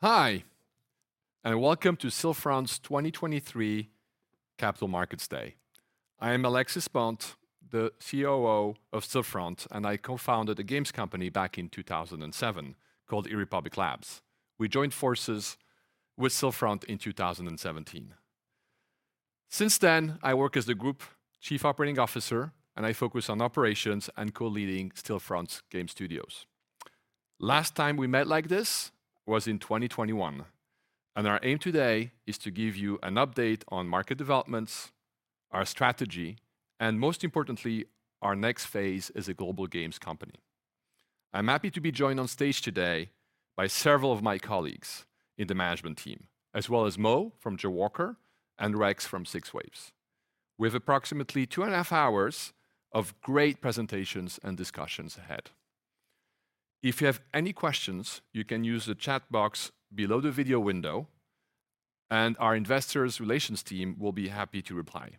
Hi, and welcome to Stillfront's 2023 Capital Markets Day. I am Alexis Bonte, the COO of Stillfront, and I co-founded a games company back in 2007 called eRepublik Labs. We joined forces with Stillfront in 2017. Since then, I work as the group chief operating officer, and I focus on operations and co-leading Stillfront's game studios. Last time we met like this was in 2021, and our aim today is to give you an update on market developments, our strategy, and most importantly, our next phase as a global games company. I'm happy to be joined on stage today by several of my colleagues in the management team, as well as Mo from Jawaker and Rex from 6waves. We have approximately two and a half hours of great presentations and discussions ahead. If you have any questions, you can use the chat box below the video window, and our investors relations team will be happy to reply.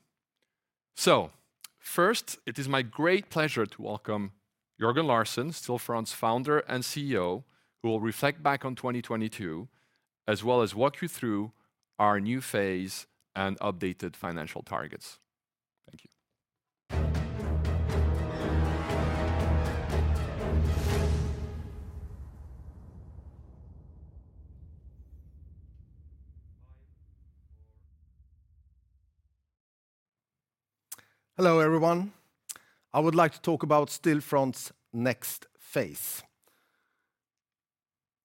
First, it is my great pleasure to welcome Jörgen Larsson, Stillfront's Founder and CEO, who will reflect back on 2022, as well as walk you through our new phase and updated financial targets. Thank you. Hello, everyone. I would like to talk about Stillfront's next phase.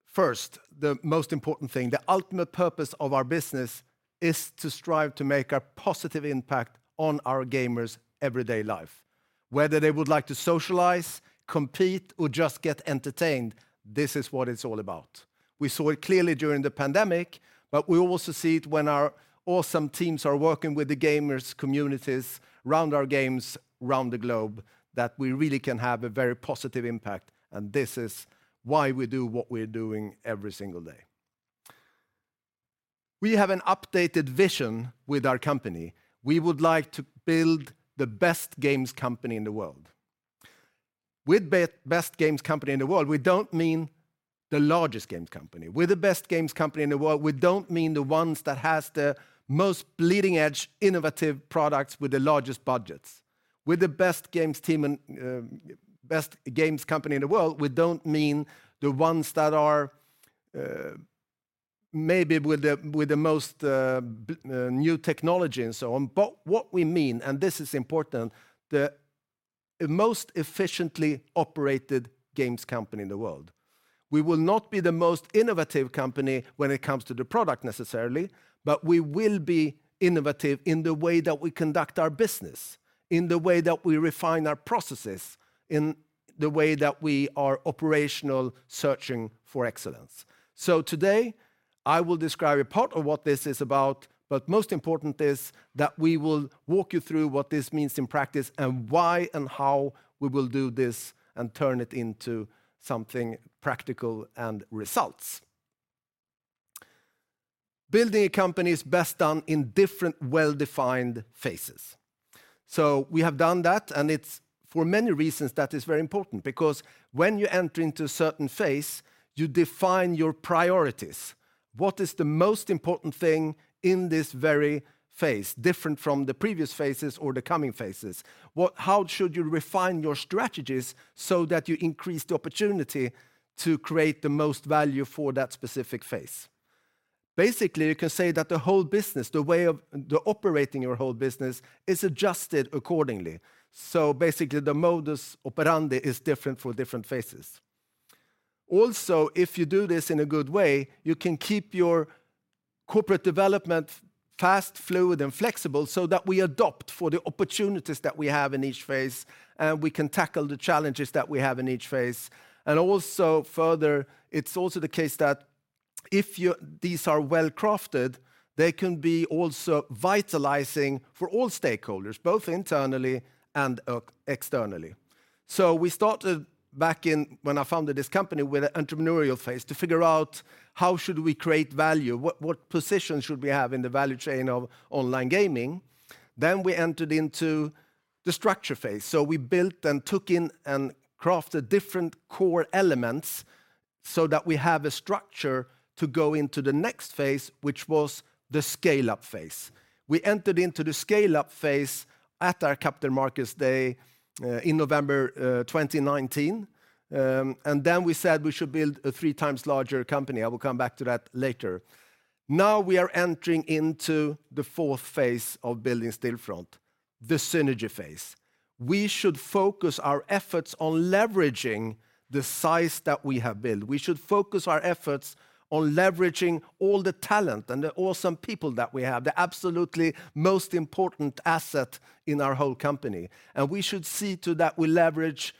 First, the most important thing, the ultimate purpose of our business is to strive to make a positive impact on our gamers' everyday life. Whether they would like to socialize, compete, or just get entertained, this is what it's all about. We saw it clearly during the pandemic, but we also see it when our awesome teams are working with the gamers, communities around our games around the globe, that we really can have a very positive impact. This is why we do what we're doing every single day. We have an updated vision with our company. We would like to build the best games company in the world. With best games company in the world, we don't mean the largest games company. We're the best games company in the world, we don't mean the ones that has the most leading-edge, innovative products with the largest budgets. We're the best games team and best games company in the world; we don't mean the ones that are maybe with the most new technology and so on. What we mean, and this is important, the most efficiently operated games company in the world. We will not be the most innovative company when it comes to the product necessarily. We will be innovative in the way that we conduct our business, in the way that we refine our processes, in the way that we are operational searching for excellence. Today I will describe a part of what this is about, but most important is that we will walk you through what this means in practice and why and how we will do this and turn it into something practical and results. Building a company is best done in different well-defined phases. We have done that, and it's for many reasons that is very important because when you enter into a certain phase, you define your priorities. What is the most important thing in this very phase, different from the previous phases or the coming phases? How should you refine your strategies so that you increase the opportunity to create the most value for that specific phase? Basically, you can say that the whole business, the way of operating your whole business is adjusted accordingly. Basically, the modus operandi is different for different phases. Also, if you do this in a good way, you can keep your corporate development fast, fluid, and flexible so that we adopt for the opportunities that we have in each phase, and we can tackle the challenges that we have in each phase. Also further, it's also the case that if these are well-crafted, they can be also vitalizing for all stakeholders, both internally and externally. We started back in-- when I founded this company with an entrepreneurial phase to figure out how should we create value, what position should we have in the value chain of online gaming? Then we entered into the structure phase. We built and took in and crafted different core elements so that we have a structure to go into the next phase, which was the scale-up phase. We entered into the scale-up phase at our Capital Markets Day in November 2019. We said we should build a three times larger company. I will come back to that later. We are entering into the 4th phase of building Stillfront, the synergy phase. We should focus our efforts on leveraging the size that we have built. We should focus our efforts on leveraging all the talent and the awesome people that we have, the absolutely most important asset in our whole company. We should see to that we leverage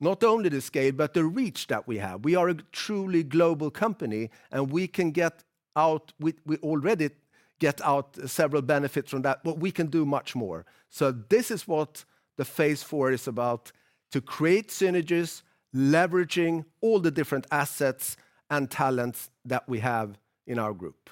not only the scale, but the reach that we have. We are a truly global company. We already get out several benefits from that, but we can do much more. This is what the Phase Four is about, to create synergies, leveraging all the different assets and talents that we have in our group.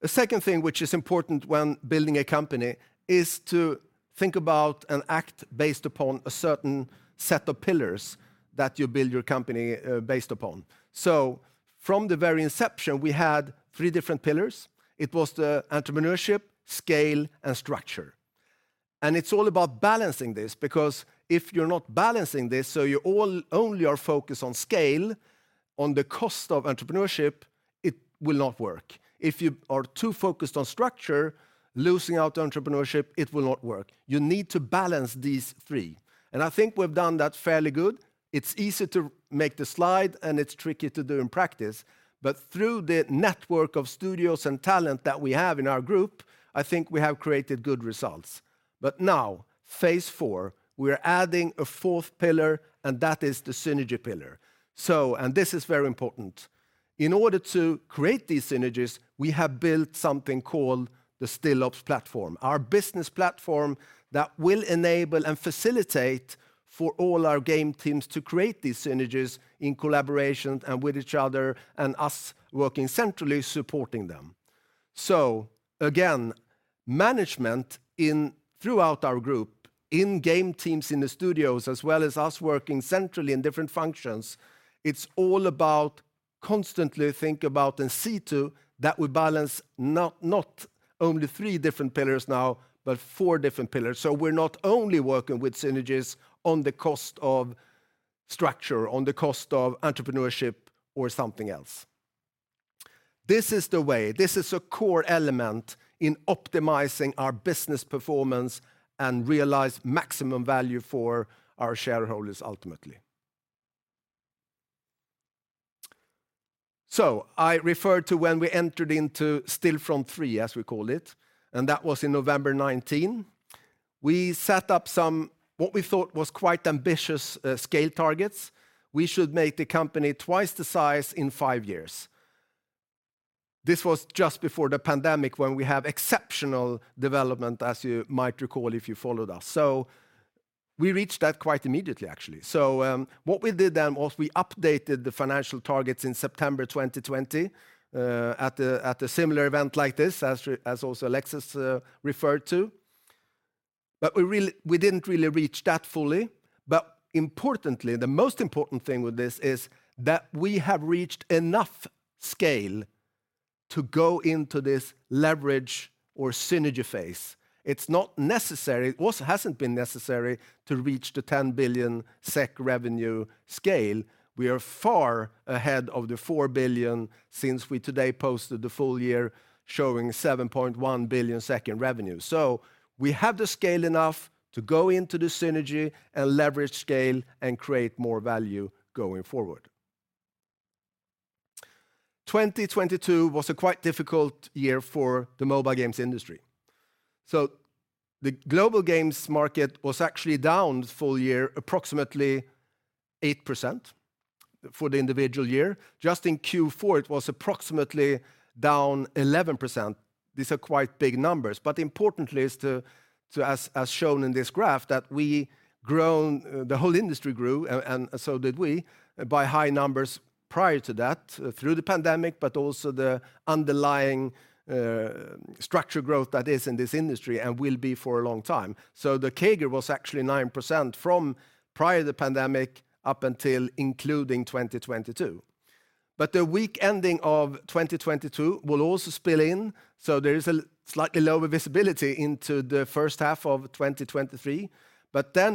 The second thing which is important when building a company is to think about and act based upon a certain set of pillars that you build your company based upon. From the very inception, we had three different pillars. It was the entrepreneurship, scale, and structure. It's all about balancing this because if you're not balancing this, so you only are focused on scale, on the cost of entrepreneurship, it will not work. If you are too focused on structure, losing out entrepreneurship, it will not work. You need to balance these three, and I think we've done that fairly good. It's easy to make the slide, it's tricky to do in practice. Through the network of studios and talent that we have in our group, I think we have created good results. Now, Phase Four, we're adding a fourth pillar, and that is the synergy pillar. This is very important. In order to create these synergies, we have built something called the Stillops platform, our business platform that will enable and facilitate for all our game teams to create these synergies in collaboration and with each other and us working centrally supporting them. Again, management throughout our group, in game teams, in the studios, as well as us working centrally in different functions, it's all about constantly think about and see to that we balance not only three different pillars now, but four different pillars. We're not only working with synergies on the cost of structure, on the cost of entrepreneurship or something else. This is the way; this is a core element in optimizing our business performance and realize maximum value for our shareholders ultimately. I referred to when we entered into Stillfront Three, as we call it, and that was in November 2019. We set up some, what we thought was quite ambitious, scale targets. We should make the company twice the size in five years. This was just before the pandemic when we have exceptional development, as you might recall, if you followed us. We reached that quite immediately, actually. What we did then was we updated the financial targets in September 2020, at a similar event like this, as also Alexis referred to. We didn't really reach that fully. Importantly, the most important thing with this is that we have reached enough scale to go into this leverage or synergy phase. It's not necessary. It also hasn't been necessary to reach the 10 billion SEK revenue scale. We are far ahead of the 4 billion since we today posted the full year showing 7.1 billion SEK in revenue. We have the scale enough to go into the synergy and leverage scale and create more value going forward. 2022 was a quite difficult year for the mobile games industry. The global games market was actually down full year, approximately 8% for the individual year. Just in Q4, it was approximately down 11%. These are quite big numbers. Importantly is to as shown in this graph, that the whole industry grew, and so did we, by high numbers prior to that through the pandemic, but also the underlying structure growth that is in this industry and will be for a long time. The CAGR was actually 9% from prior the pandemic up until including 2022. The weak ending of 2022 will also spill in, so there is a slightly lower visibility into the first half of 2023.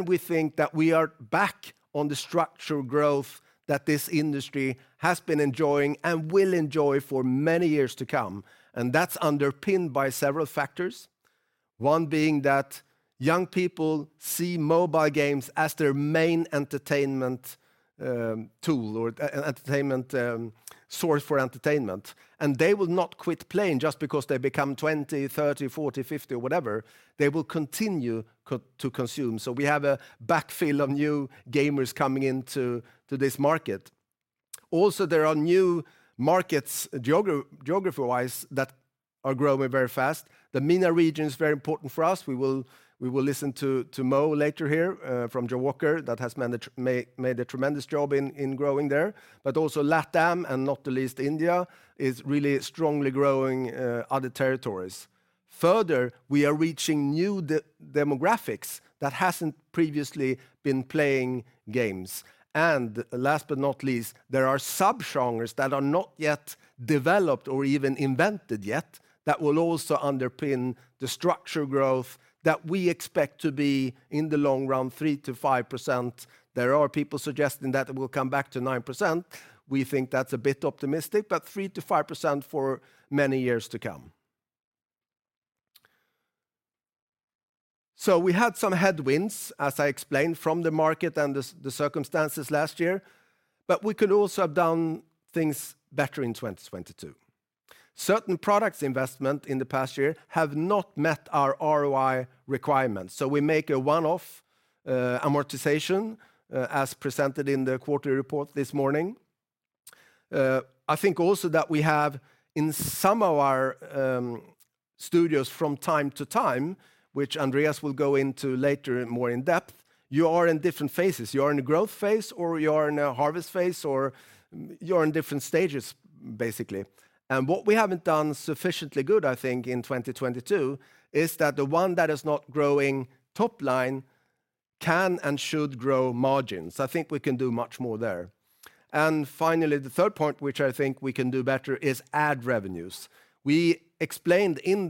We think that we are back on the structural growth that this industry has been enjoying and will enjoy for many years to come. That's underpinned by several factors. One being that young people see mobile games as their main entertainment tool or source for entertainment. They will not quit playing just because they become 20, 30, 40, 50, or whatever. They will continue to consume. We have a backfill of new gamers coming into this market. Also, there are new markets geography-wise that are growing very fast. The MENA region is very important for us. We will listen to Mo later here, from Jawaker that has made a tremendous job in growing there. But also, LATAM, and not the least India, is really strongly growing other territories. Further, we are reaching new demographics that hasn't previously been playing games. Last but not least, there are subgenres that are not yet developed or even invented yet that will also underpin the structure growth that we expect to be in the long run, 3%-5%. There are people suggesting that it will come back to 9%. We think that's a bit optimistic, but 3%-5% for many years to come. We had some headwinds, as I explained, from the market and the circumstances last year, but we could also have done things better in 2022. Certain products investment in the past year have not met our ROI requirements, so we make a one-off amortization as presented in the quarterly report this morning. I think also that we have in some of our studios from time to time, which Andreas will go into later more in depth, you are in different phases. You are in a growth phase, or you are in a harvest phase, or you're in different stages, basically. What we haven't done sufficiently good, I think, in 2022, is that the one that is not growing top line can and should grow margins. I think we can do much more there. Finally, the third point which I think we can do better is ad revenues. We explained when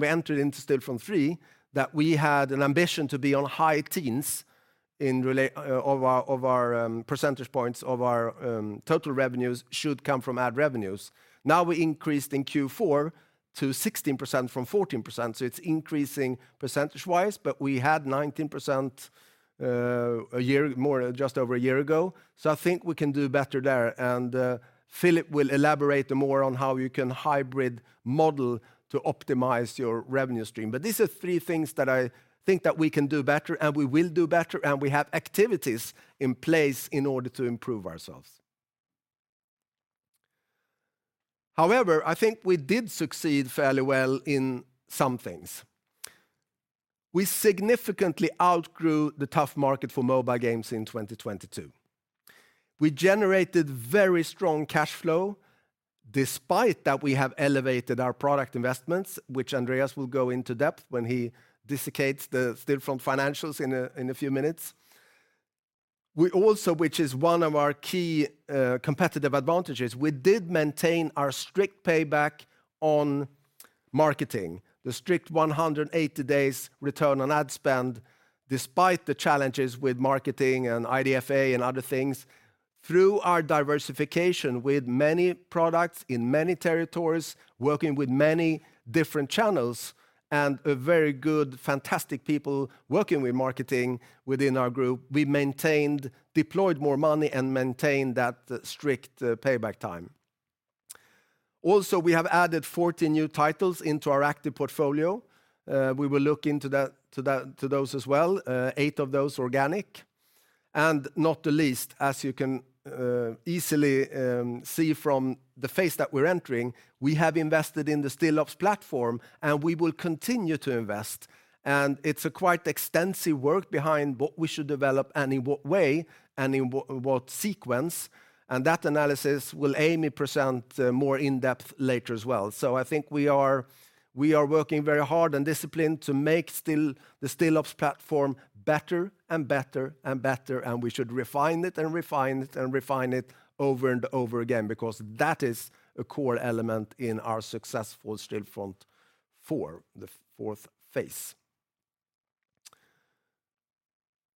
we entered into Stillfront three that we had an ambition to be on high teens of our percentage points of our total revenues should come from ad revenues. Now we increased in Q4 to 16% from 14%, so it's increasing percentagewise, but we had 19% just over a year ago. I think we can do better there, and Philipp will elaborate more on how you can hybrid model to optimize your revenue stream. These are three things that I think that we can do better, and we will do better, and we have activities in place in order to improve ourselves. However, I think we did succeed fairly well in some things. We significantly outgrew the tough market for mobile games in 2022. We generated very strong cash flow despite that we have elevated our product investments, which Andreas will go into depth when he dissects the Stillfront financials in a few minutes. We also, which is one of our key competitive advantages, we did maintain our strict payback on marketing, the strict 180 days return on ad spend, despite the challenges with marketing and IDFA and other things. Through our diversification with many products in many territories, working with many different channels and a very good, fantastic people working with marketing within our group, we deployed more money and maintained that strict payback time. Also, we have added 40 new titles into our active portfolio. We will look into those as well, eight of those organic. Not the least, as you can easily see from the phase that we're entering, we have invested in the Stillops platform, and we will continue to invest. It's a quite extensive work behind what we should develop and in what way and in what sequence, and that analysis will Amy present more in depth later as well. I think we are working very hard and disciplined to make the Stillops platform better and better and better, and we should refine it and refine it and refine it over and over again because that is a core element in our successful Stillfront four the fourth phase.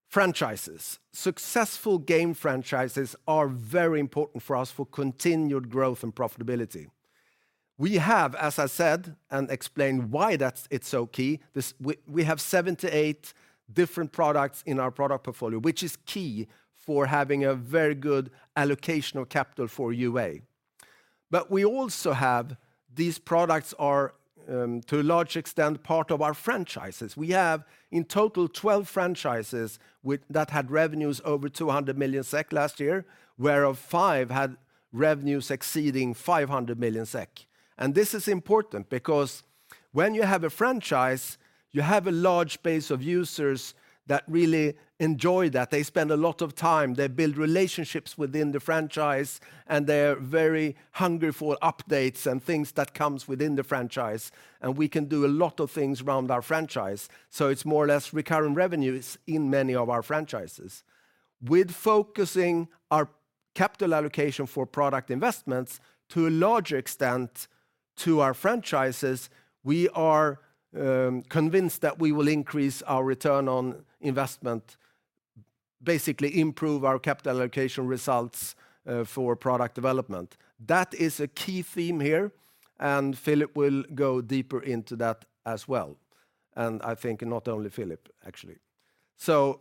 Franchises. Successful game franchises are very important for us for continued growth and profitability. We have, as I said and explained why it's so key, we have 78 different products in our product portfolio, which is key for having a very good allocation of capital for UA. We also have these products are to a large extent part of our franchises. We have in total 12 franchises that had revenues over 200 million SEK last year, whereof 5 had revenues exceeding 500 million SEK. This is important because when you have a franchise, you have a large base of users that really enjoy that. They spend a lot of time, they build relationships within the franchise, and they're very hungry for updates and things that comes within the franchise, and we can do a lot of things around our franchise. It's more or less recurring revenues in many of our franchises. With focusing our capital allocation for product investments to a large extent to our franchises, we are convinced that we will increase our return on investment, basically improve our capital allocation results for product development. That is a key theme here, Philipp will go deeper into that as well, and I think not only Philipp, actually.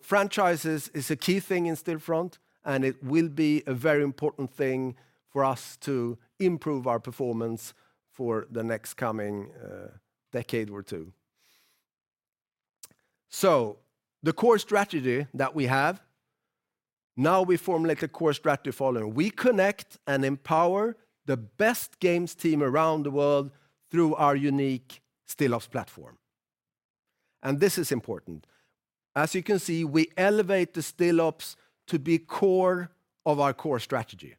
Franchises is a key thing in Stillfront, and it will be a very important thing for us to improve our performance for the next coming decade or two. The core strategy that we have, now we formulate a core strategy following. We connect and empower the best games team around the world through our unique Stillops platform. This is important. As you can see, we elevate the Stillops to be core of our core strategy.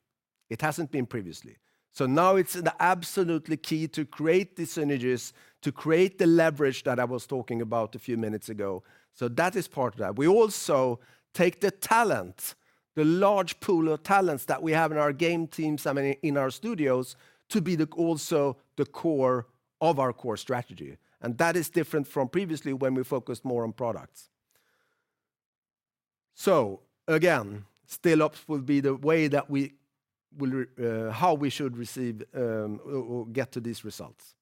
It hasn't been previously. Now it's the absolutely key to create the synergies, to create the leverage that I was talking about a few minutes ago. That is part of that. We also take the talent, the large pool of talents that we have in our game teams and in our studios to be also the core of our core strategy. That is different from previously when we focused more on products. Again, Stillops will be the way that we will how we should receive or get to these results.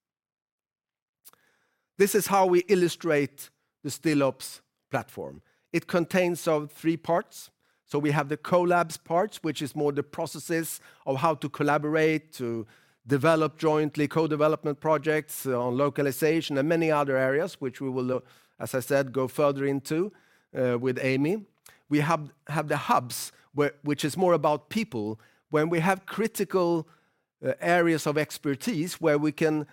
This is how we illustrate the Stillops platform. It contains of three parts. We have the collabs parts, which is more the processes of how to collaborate, to develop jointly co-development projects on localization and many other areas, which we will, as I said, go further into with Amy. We have the hubs which is more about people. When we have critical areas of expertise where we can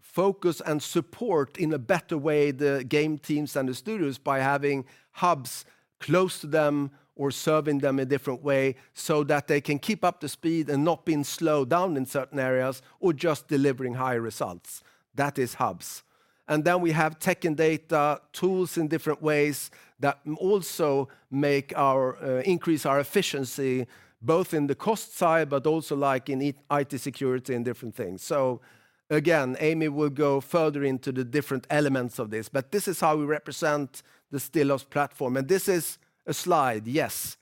focus and support in a better way the game teams and the studios by having hubs close to them or serving them a different way so that they can keep up the speed and not being slowed down in certain areas or just delivering higher results. That is hubs. We have tech and data tools in different ways that also make our increase our efficiency both in the cost side but also like in IT security and different things. Again, Amy will go further into the different elements of this, but this is how we represent the Stillops platform. This is a slide, yes,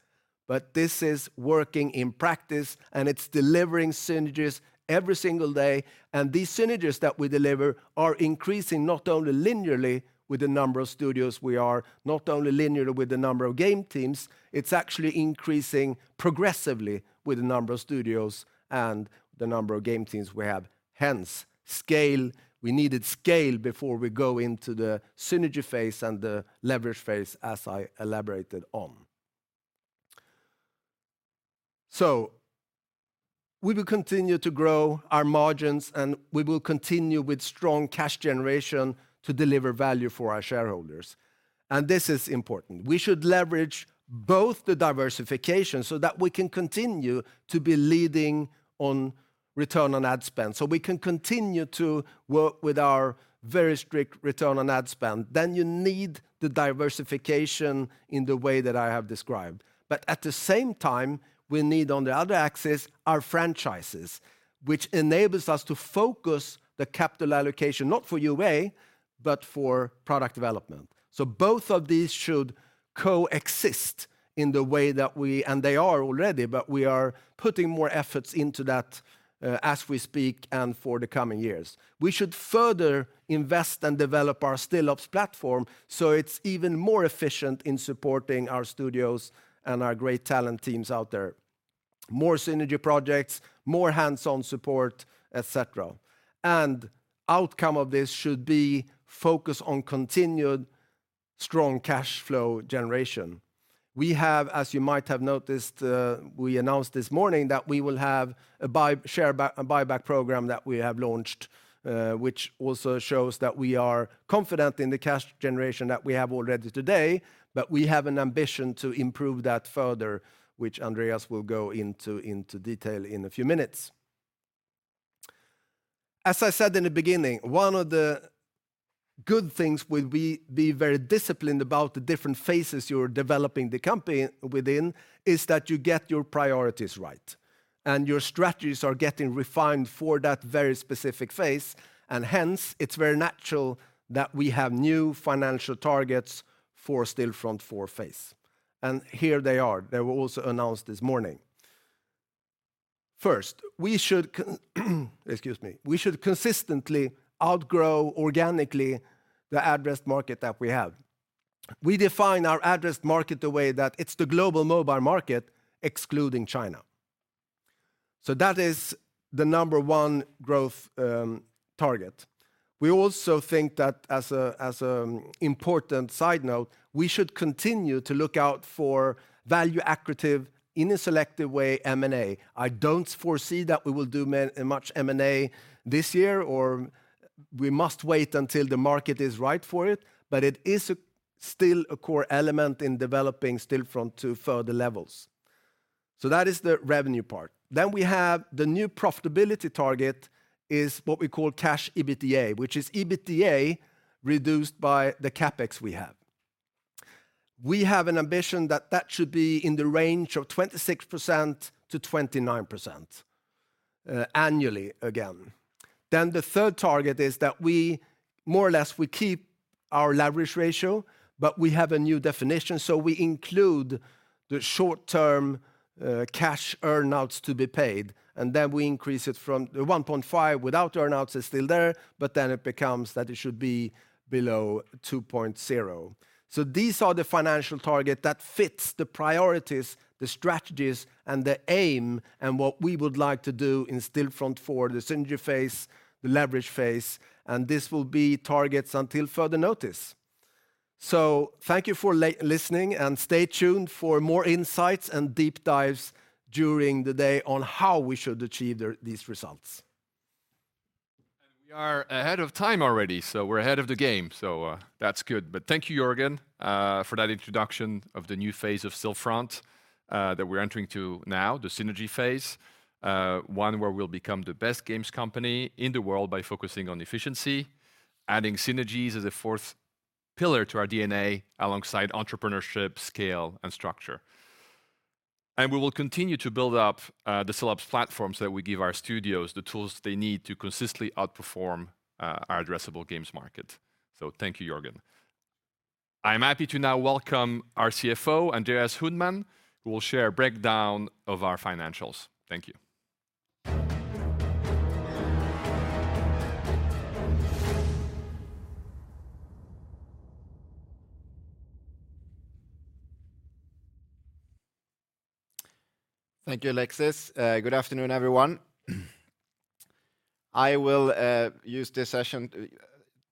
but this is working in practice, and it's delivering synergies every single day, and these synergies that we deliver are increasing not only linearly with the number of studios we are, not only linearly with the number of game teams, it's actually increasing progressively with the number of studios and the number of game teams we have. Hence, scale. We needed scale before we go into the Synergy Phase and the Leverage Phase as I elaborated on. We will continue to grow our margins, and we will continue with strong cash generation to deliver value for our shareholders. This is important. We should leverage both the diversification so that we can continue to be leading on return on ad spend, so we can continue to work with our very strict return on ad spend. You need the diversification in the way that I have described. At the same time, we need on the other axis our franchises, which enables us to focus the capital allocation not for UA, but for product development. Both of these should coexist in the way that we and they are already, but we are putting more efforts into that as we speak and for the coming years. We should further invest and develop our Stillops platform, so it's even more efficient in supporting our studios and our great talent teams out there. More synergy projects, more hands-on support, et cetera. Outcome of this should be focus on continued strong cash flow generation. We have, as you might have noticed, we announced this morning that we will have a buyback program that we have launched, which also shows that we are confident in the cash generation that we have already today, but we have an ambition to improve that further, which Andreas will go into detail in a few minutes. As I said in the beginning, one of the good things when we be very disciplined about the different phases, you're developing the company within is that you get your priorities right, and your strategies are getting refined for that very specific phase. Hence, it's very natural that we have new financial targets for Stillfront Four Phase. Here they are. They were also announced this morning. First, we should excuse me. We should consistently outgrow organically the addressed market that we have. We define our addressed market the way that it's the global mobile market excluding China. That is the number 1 growth target. We also think that as an important side note, we should continue to look out for value accretive in a selective way M&A. I don't foresee that we will do much M&A this year, or we must wait until the market is right for it. It is still a core element in developing Stillfront to further levels. That is the revenue part. We have the new profitability target is what we call cash EBITDA, which is EBITDA reduced by the CapEx we have. We have an ambition that should be in the range of 26%-29% annually again. The third target is that we more or less keep our leverage ratio, but we have a new definition, so we include the short-term cash earn-outs to be paid, and then we increase it from the 1.5 without earn-outs is still there, but then it becomes that it should be below 2.0. These are the financial target that fits the priorities, the strategies, and the aim and what we would like to do in Stillfront for the Synergy Phase, the Leverage Phase, and this will be targets until further notice. Thank you for listening and stay tuned for more insights and deep dives during the day on how we should achieve these results. We are ahead of time already, so we're ahead of the game, so that's good. Thank you, Jörgen, for that introduction of the new phase of Stillfront that we're entering to now, the synergy phase. One where we'll become the best games company in the world by focusing on efficiency, adding synergies as a fourth pillar to our DNA alongside entrepreneurship, scale, and structure. We will continue to build up the Stillops platforms that we give our studios the tools they need to consistently outperform our addressable games market. Thank you, Jörgen. I'm happy to now welcome our CFO, Andreas Uddman, who will share a breakdown of our financials. Thank you. Thank you, Alexis. Good afternoon, everyone. I will use this session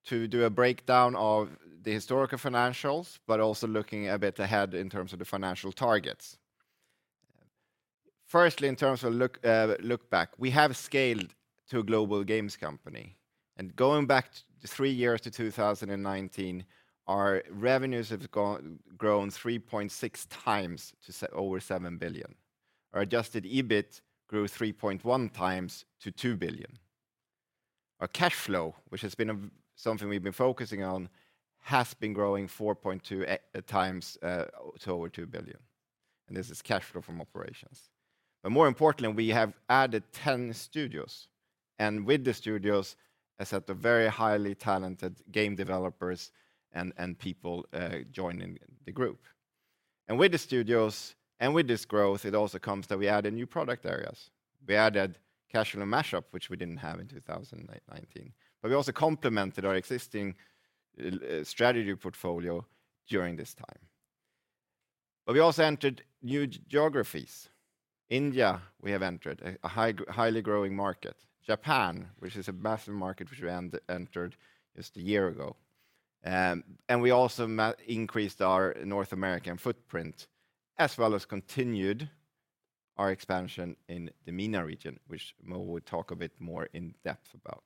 to do a breakdown of the historical financials but also looking a bit ahead in terms of the financial targets. Firstly, in terms of look back, we have scaled to a global games company. Going back three years to 2019, our revenues have grown 3.6 times to over 7 billion. Our adjusted EBIT grew 3.1 times to 2 billion. Our cash flow, which has been something we've been focusing on, has been growing 4.2 times to over 2 billion, and this is cash flow from operations. More importantly, we have added 10 studios, and with the studios, a set of very highly talented game developers and people joining the group. With the studios and with this growth, it also comes that we added new product areas. We added casual and mashup, which we didn't have in 2019. We also complemented our existing strategy portfolio during this time. We also entered new geographies. India, we have entered, a highly growing market. Japan, which is a massive market which we entered just a year ago. And we also increased our North American footprint, as well as continued our expansion in the MENA region, which Mo will talk a bit more in depth about.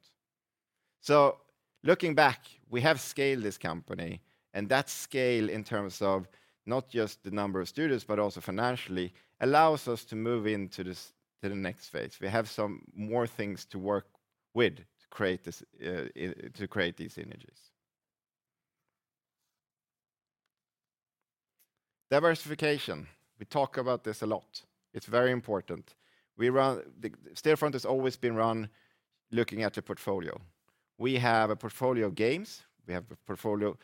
Looking back, we have scaled this company, and that scale in terms of not just the number of studios but also financially allows us to move into this, to the next phase. We have some more things to work with to create these Synergies. Diversification. We talk about this a lot. It's very important. Stillfront has always been run looking at a portfolio. We have a portfolio of games, we have a portfolio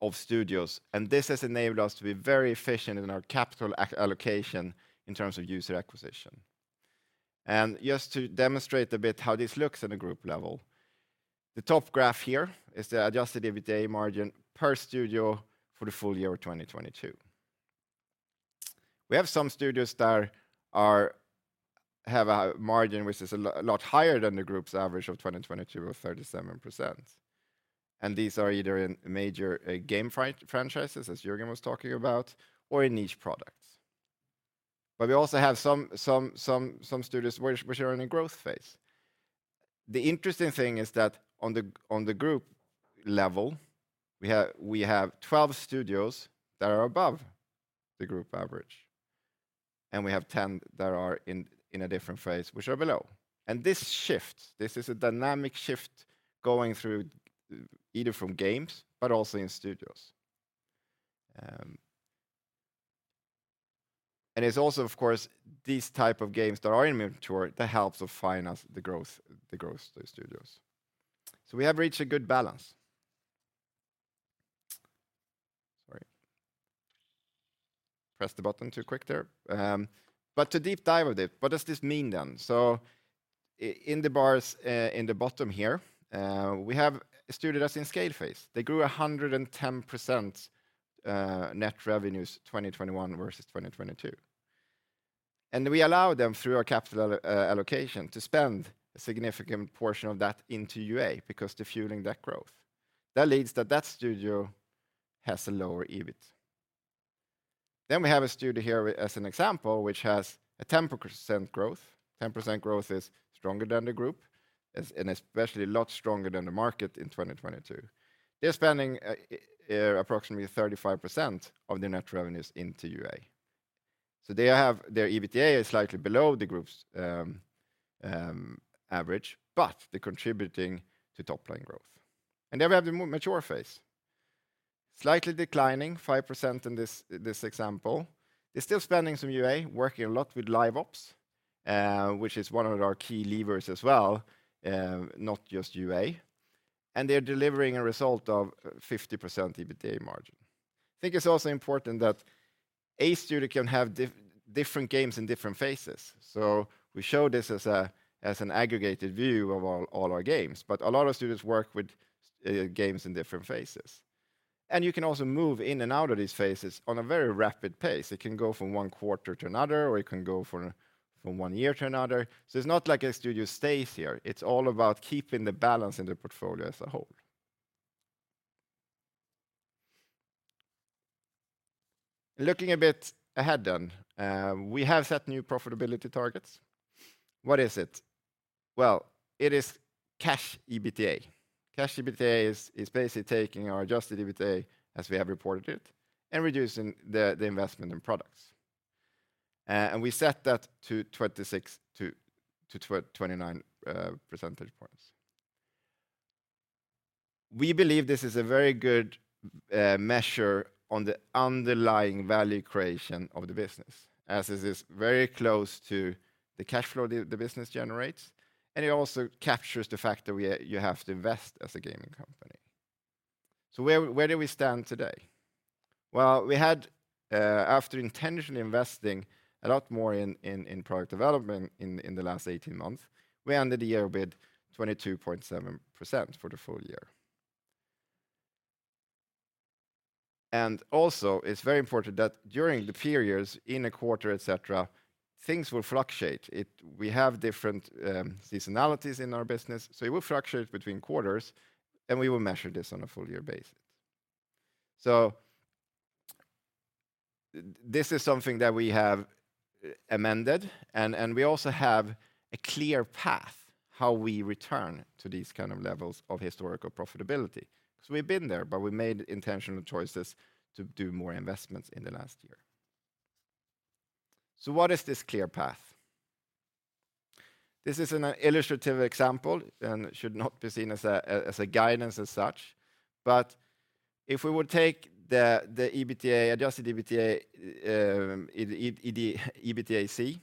of studios, this has enabled us to be very efficient in our capital allocation in terms of user acquisition. Just to demonstrate a bit how this looks at a group level, the top graph here is the adjusted EBITDA margin per studio for the full year of 2022. We have some studios that have a margin which is a lot higher than the group's average of 2022 of 37%, these are either in major game franchises, as Jörgen was talking about, or in niche products. We also have some studios which are in a growth phase. The interesting thing is that on the group level, we have 12 studios that are above the group average, and we have 10 that are in a different phase, which are below. This shift, this is a dynamic shift going through either from games but also in studios. It's also, of course, these types of games that are in mature that helps to finance the growth studios. We have reached a good balance. Sorry. Pressed the button too quick there. To deep dive with it, what does this mean then? In the bars, in the bottom here, we have studios that's in scale phase. They grew 110% net revenues 2021 versus 2022. We allow them, through our capital allocation, to spend a significant portion of that into UA because they're fueling that growth. That leads that studio has a lower EBIT. We have a studio here as an example, which has a 10% growth. 10% growth is stronger than the group, and especially a lot stronger than the market in 2022. They're spending approximately 35% of their net revenues into UA. Their EBITDA is slightly below the group's average, but they're contributing to top-line growth. We have the mature phase. Slightly declining, 5% in this example. They're still spending some UA, working a lot with live ops, which is one of our key levers as well, not just UA, and they're delivering a result of 50% EBITDA margin. I think it's also important that a studio can have different games in different phases. We show this as an aggregated view of all our games. A lot of studios work with games in different phases. You can also move in and out of these phases on a very rapid pace. It can go from one quarter to another, or it can go from one year to another. It's not like a studio stays here. It's all about keeping the balance in the portfolio as a whole. Looking a bit ahead, we have set new profitability targets. What is it? It is cash EBITDA. Cash EBITDA is basically taking our adjusted EBITDA as we have reported it and reducing the investment in products. We set that to 26-29 percentage points. We believe this is a very good measure on the underlying value creation of the business, as this is very close to the cash flow the business generates, and it also captures the fact that you have to invest as a gaming company. Where do we stand today? We had after intentionally investing a lot more in product development in the last 18 months, we ended the year with 22.7% for the full year. Also, it's very important that during the few years in a quarter, et cetera, things will fluctuate. We have different seasonalities in our business, so it will fluctuate between quarters, and we will measure this on a full year basis. This is something that we have amended, and we also have a clear path how we return to these kinds of levels of historical profitability, because we've been there, but we made intentional choices to do more investments in the last year. What is this clear path? This is an illustrative example, and it should not be seen as a, as a guidance as such. If we would take the EBITDA, adjusted EBITDA, EBITDAC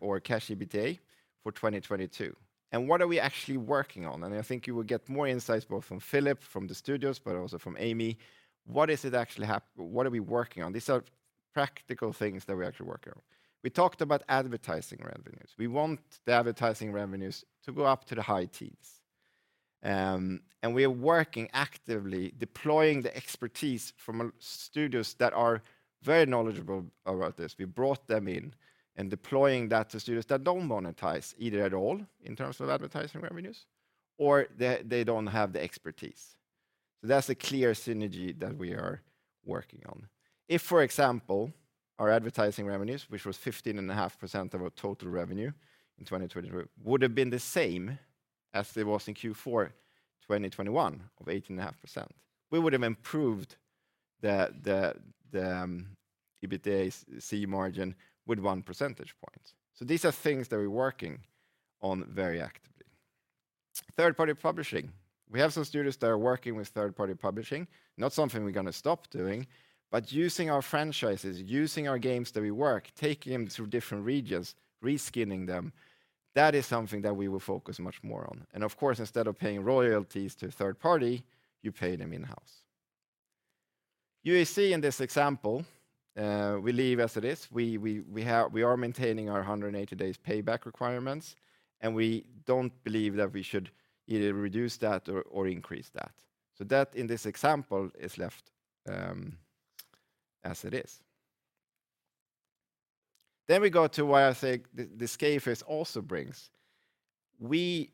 or cash EBITDA for 2022, what are we actually working on? I think you will get more insights both from Philipp, from the studios, but also from Amy. What are we working on? These are practical things that we're actually working on. We talked about advertising revenues. We want the advertising revenues to go up to the high teens. We are working actively deploying the expertise from studios that are very knowledgeable about this. We brought them in and deploying that to studios that don't monetize either at all in terms of advertising revenues, or they don't have the expertise. That's a clear synergy that we are working on. If, for example, our advertising revenues, which was 15.5% of our total revenue in 2022, would have been the same as it was in Q4 2021 of 8.5%, we would have improved the EBITDAc margin with 1% point. These are things that we're working on very actively. Third-party publishing. We have some studios that are working with third-party publishing, not something we're gonna stop doing, but using our franchises, using our games that we work, taking them through different regions, reskinning them, that is something that we will focus much more on. Of course, instead of paying royalties to a third party, you pay them in-house. UAC in this example, we leave as it is. We are maintaining our 180 days payback requirements, we don't believe that we should either reduce that or increase that. That in this example is left as it is. We go to what I think the scale phase also brings. We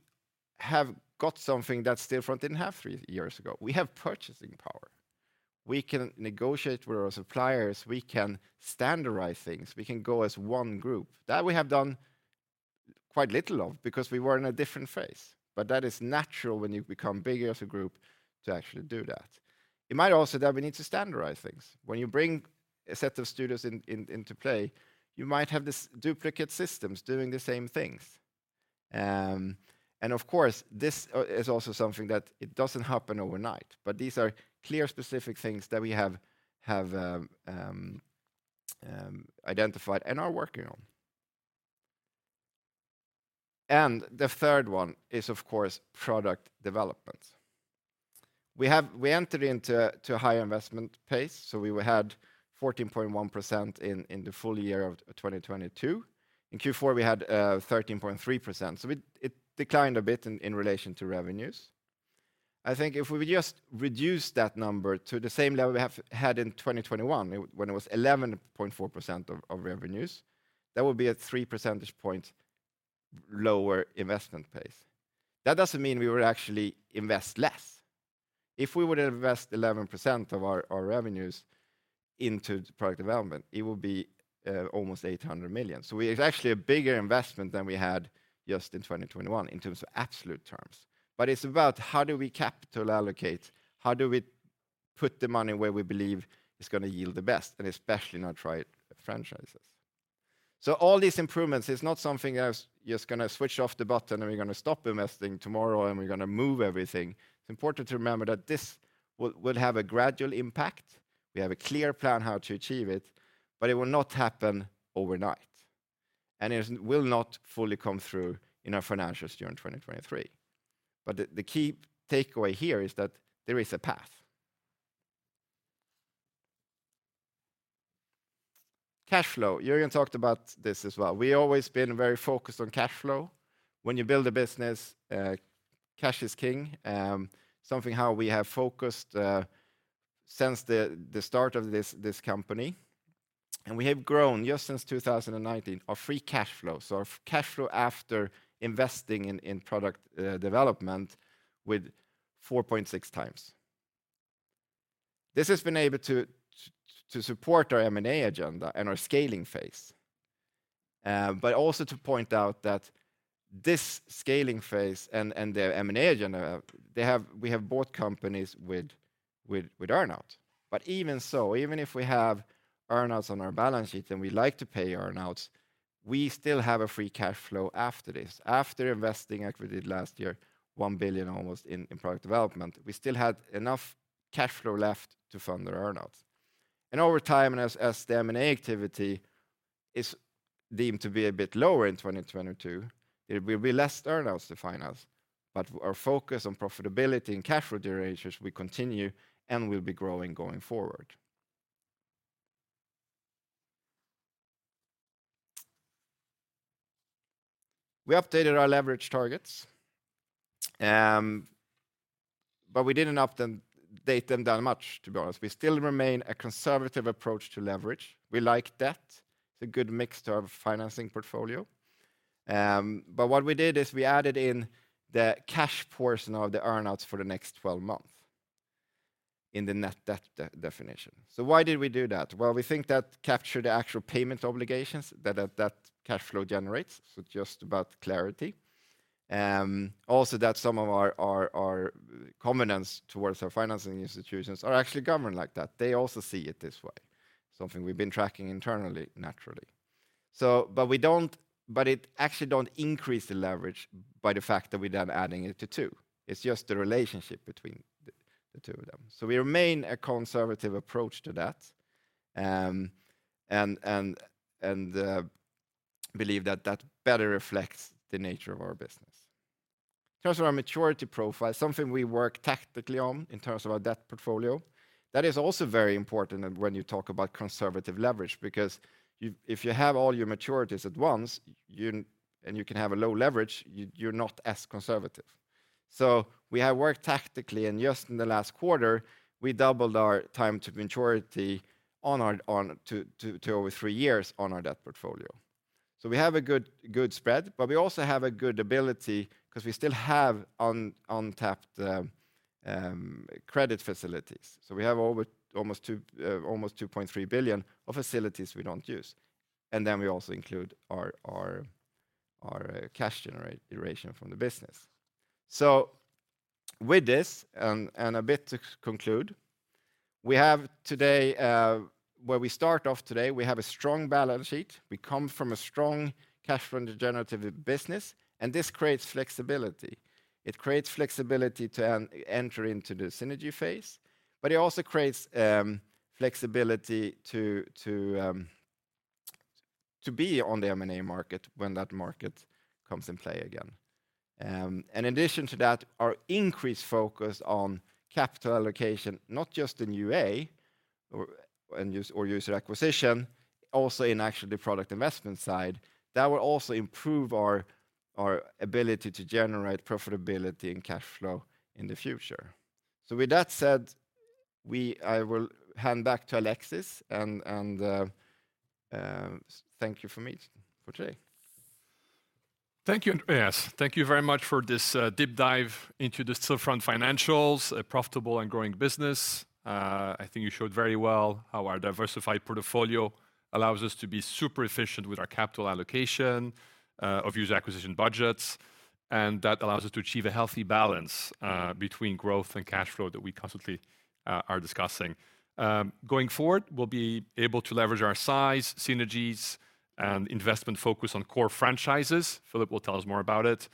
have got something that Stillfront didn't have three years ago. We have purchasing power. We can negotiate with our suppliers; we can standardize things. We can go as one group. That we have done quite little of because we were in a different phase. That is natural when you become big as a group to actually do that. It might also that we need to standardize things. When you bring a set of studios into play, you might have these duplicate systems doing the same things. Of course, this is also something that it doesn't happen overnight, but these are clear specific things that we have identified and are working on. The third one is, of course, product development. We entered into a high investment pace, so we had 14.1% in the full year of 2022. In Q4, we had 13.3%. It declined a bit in relation to revenues. I think if we just reduce that number to the same level we have had in 2021, when it was 11.4% of revenues, that would be a 3% point lower investment pace. That doesn't mean we would actually invest less. If we would invest 11% of our revenues into product development, it would be almost 800 million. It's actually a bigger investment than we had just in 2021 in terms of absolute terms. It's about how do we capital allocate, how do we put the money where we believe it's gonna yield the best, and especially in our tried franchises. All these improvements, it's not something else, just gonna switch off the button, and we're gonna stop investing tomorrow, and we're gonna move everything. It's important to remember that this will have a gradual impact. We have a clear plan how to achieve it, but it will not happen overnight, and it will not fully come through in our financials during 2023. The key takeaway here is that there is a path. Cash flow. Jörgen talked about this as well. We always been very focused on cash flow. When you build a business, cash is king. Something how we have focused since the start of this company, and we have grown just since 2019, our free cash flow. Our cash flow after investing in product development with 4.6 times. This has been able to support our M&A agenda and our scaling phase. Also to point out that this scaling phase and the M&A agenda, we have bought companies with earn-out. Even so, even if we have earn-outs on our balance sheet, and we like to pay earn-outs, we still have a free cash flow after this. After investing equity last year, 1 billion almost in product development, we still had enough cash flow left to fund the earn-out. Over time, as the M&A activity is deemed to be a bit lower in 2022, it will be less earn-outs to finance. Our focus on profitability and cash flow generations will continue and will be growing going forward. We updated our leverage targets, but we didn't date them down much, to be honest. We still remain a conservative approach to leverage. We like debt. It's a good mixture of financing portfolio. What we did is we added in the cash portion of the earn-outs for the next 12 months in the net debt de-definition. Why did we do that? Well, we think that captured the actual payment obligations that cash flow generates, just about clarity. Also, that some of our covenants towards our financing institutions are actually governed like that. They also see it this way, something we've been tracking internally, naturally. But it actually don't increase the leverage by the fact that we're then adding it to two. It's just the relationship between the two of them. We remain a conservative approach to that and believe that that better reflects the nature of our business. In terms of our maturity profile, something we work tactically on in terms of our debt portfolio, that is also very important when you talk about conservative leverage because if you have all your maturities at once, and you can have a low leverage, you're not as conservative. We have worked tactically, and just in the last quarter, we doubled our time to maturity on our to over three years on our debt portfolio. We have a good spread, but we also have a good ability because we still have untapped credit facilities. We have almost 2.3 billion of facilities we don't use. We also include our cash generation from the business. With this, and a bit to conclude, we have today, where we start off today, we have a strong balance sheet. We come from a strong cash flow generative business, and this creates flexibility. It creates flexibility to enter into the synergy phase, but it also creates flexibility to be on the M&A market when that market comes in play again. In addition to that, our increased focus on capital allocation, not just in UA and user acquisition, also in actually the product investment side, that will also improve our ability to generate profitability and cash flow in the future. With that said, I will hand back to Alexis and thank you for today. Thank you, Andreas. Thank you very much for this deep dive into the Stillfront financials, a profitable and growing business. I think you showed very well how our diversified portfolio allows us to be super-efficient with our capital allocation of user acquisition budgets, and that allows us to achieve a healthy balance between growth and cash flow that we constantly are discussing. Going forward, we'll be able to leverage our size, synergies, and investment focus on core franchises, Philipp will tell us more about it,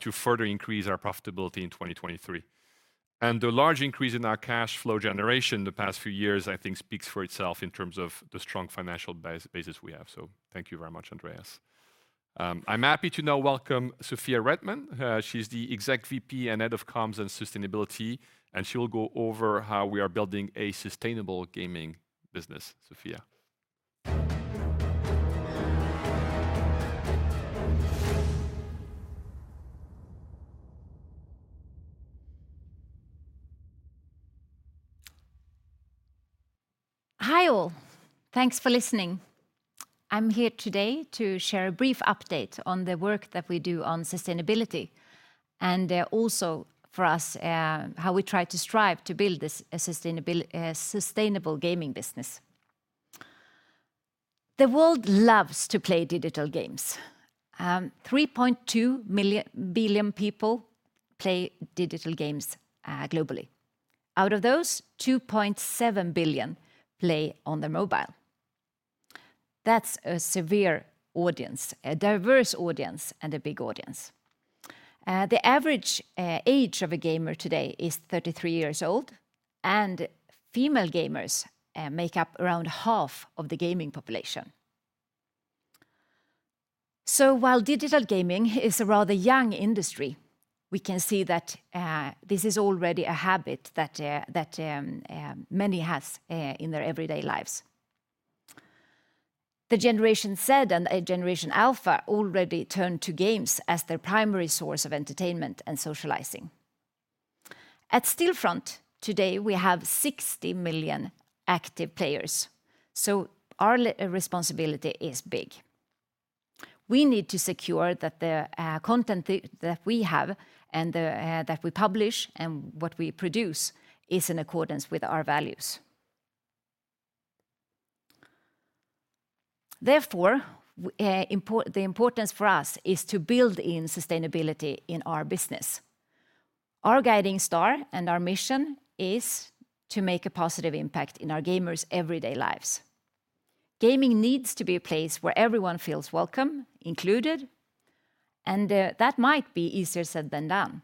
to further increase our profitability in 2023. The large increase in our cash flow generation the past few years, I think speaks for itself in terms of the strong financial basis we have. Thank you very much, Andreas. I'm happy to now welcome Sofia Wretman. She's the exec VP and head of Communication & Sustainability, and she will go over how we are building a sustainable gaming business. Sofia. Hi, all. Thanks for listening. I'm here today to share a brief update on the work that we do on sustainability, also for us, how we try to strive to build this a sustainable gaming business. The world loves to play digital games. 3.2 billion people play digital games globally. Out of those, 2.7 billion plays on their mobile. That's a severe audience, a diverse audience, and a big audience. The average age of a gamer today is 33 years old, and female gamers make up around half of the gaming population. While digital gaming is a rather young industry, we can see that this is already a habit that many has in their everyday lives. The Generation Z and Generation Alpha already turn to games as their primary source of entertainment and socializing. At Stillfront today, we have 60 million active players, so our responsibility is big. We need to secure that the content that we have and that we publish and what we produce is in accordance with our values. Therefore, the importance for us is to build in sustainability in our business. Our guiding star and our mission is to make a positive impact in our gamers' everyday lives. Gaming needs to be a place where everyone feels welcome, included, and that might be easier said than done.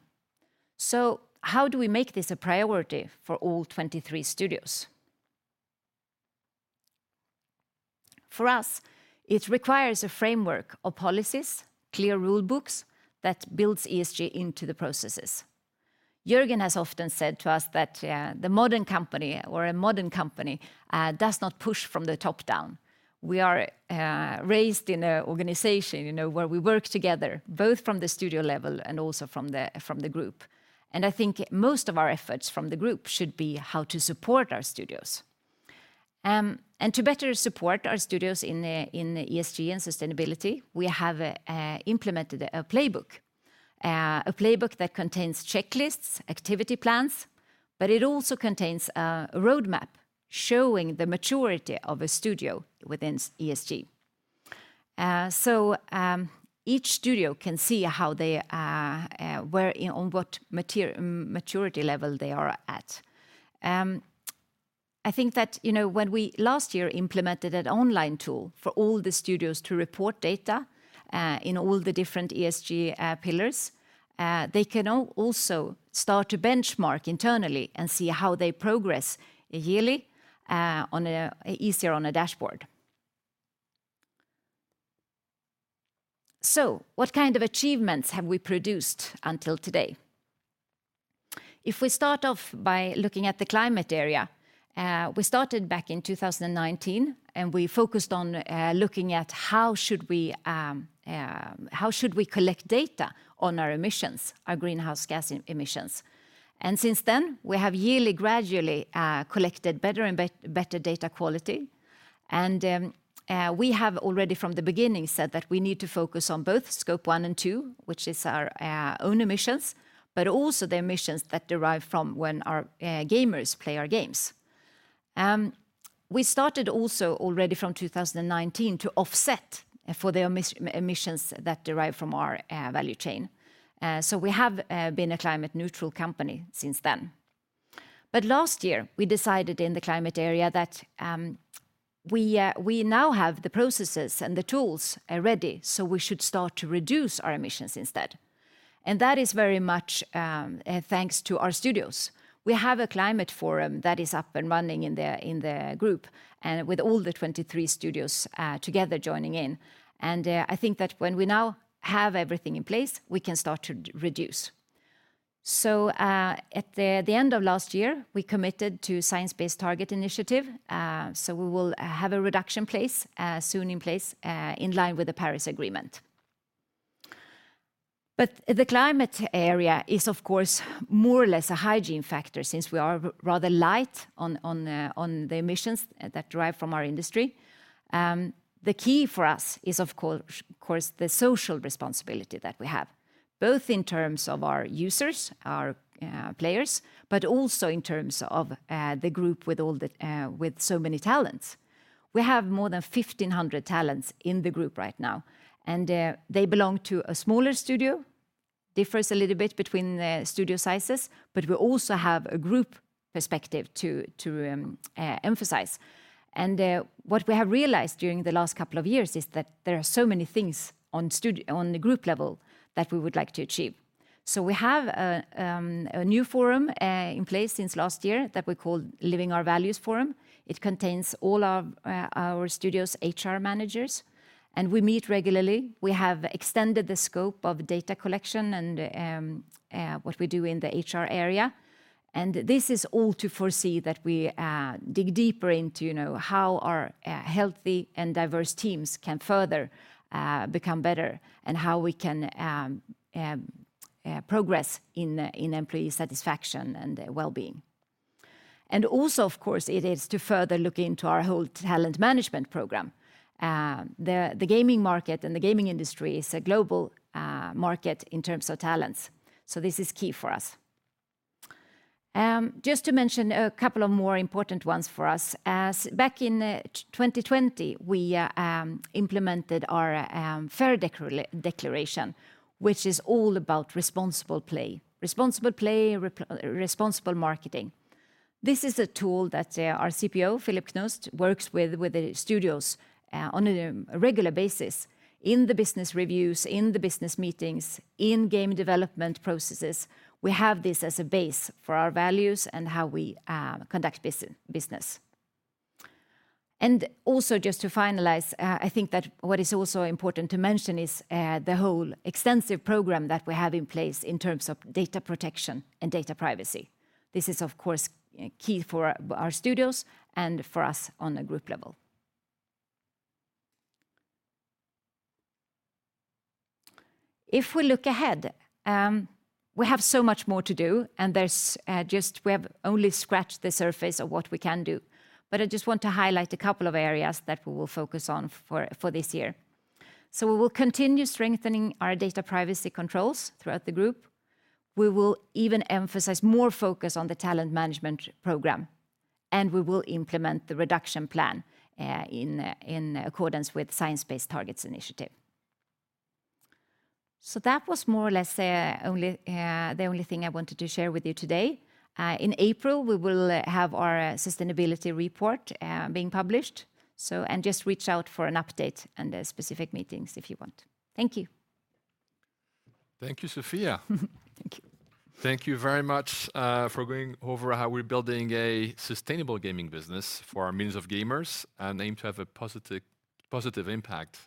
How do we make this a priority for all 23 studios? For us, it requires a framework of policies, clear rule books that builds ESG into the processes. Jörgen has often said to us that, yeah, the modern company or a modern company does not push from the top down. We are raised in a organization, you know, where we work together, both from the studio level and also from the group. I think most of our efforts from the group should be how to support our studios. To better support our studios in ESG and sustainability, we have implemented a playbook. A playbook that contains checklists, activity plans, but it also contains a roadmap showing the maturity of a studio within ESG. Each studio can see how they were, you know, on what maturity level they are at. I think that, you know, when we last year implemented an online tool for all the studios to report data in all the different ESG pillars, they can also start to benchmark internally and see how they progress yearly easier on a dashboard. What kind of achievements have we produced until today? If we start off by looking at the climate area, we started back in 2019, and we focused on looking at how should we how should we collect data on our emissions, our greenhouse gas emissions. Since then, we have yearly gradually collected better and better data quality. We have already from the beginning said that we need to focus on both Scope 1 and 2, which is our own emissions, but also the emissions that derive from when our gamers play our games. We started also already from 2019 to offset for the emissions that derive from our value chain. We have been a climate neutral company since then. Last year, we decided in the climate area that we now have the processes and the tools are ready, so we should start to reduce our emissions instead. That is very much thanks to our studios. We have a climate forum that is up and running in the group and with all the 23 studios together joining in. I think that when we now have everything in place, we can start to reduce. At the end of last year, we committed to Science Based Targets initiative, so we will have a reduction place soon in place in line with the Paris Agreement. The climate area is, of course, more or less a hygiene factor since we are rather light on the emissions that derive from our industry. The key for us is of course the social responsibility that we have, both in terms of our users, our players, but also in terms of the group with all the with so many talents. We have more than 1,500 talents in the group right now, and they belong to a smaller studio, differs a little bit between the studio sizes, but we also have a group perspective to emphasize. What we have realized during the last couple of years is that there are so many things on the group level that we would like to achieve. We have a new forum in place since last year that we call Living Our Values Forum. It contains all our studios' HR managers, and we meet regularly. We have extended the scope of data collection and what we do in the HR area. This is all to foresee that we dig deeper into, you know, how our healthy and diverse teams can further become better and how we can progress in employee satisfaction and well-being. Also, of course, it is to further look into our whole talent management program. The gaming market and the gaming industry is a global market in terms of talents, so this is key for us. Just to mention a couple of more important ones for us. As back in 2020, we implemented our Fair Play Declaration, which is all about responsible play. Responsible play, responsible marketing. This is a tool that our CPO, Philipp Knust, works with the studios on a regular basis in the business reviews, in the business meetings, in game development processes. We have this as a base for our values and how we conduct business. Just to finalize, I think that what is also important to mention is the whole extensive program that we have in place in terms of data protection and data privacy. This is, of course, key for our studios and for us on a group level. If we look ahead, we have so much more to do, and there's just we have only scratched the surface of what we can do. I just want to highlight a couple of areas that we will focus on for this year. We will continue strengthening our data privacy controls throughout the group. We will even emphasize more focus on the talent management program, and we will implement the reduction plan in accordance with Science Based Targets initiative. That was more or less, only, the only thing I wanted to share with you today. In April, we will have our sustainability report being published. Just reach out for an update and specific meetings if you want. Thank you. Thank you, Sofia. Thank you. Thank you very much, for going over how we're building a sustainable gaming business for our millions of gamers and aim to have a positive impact,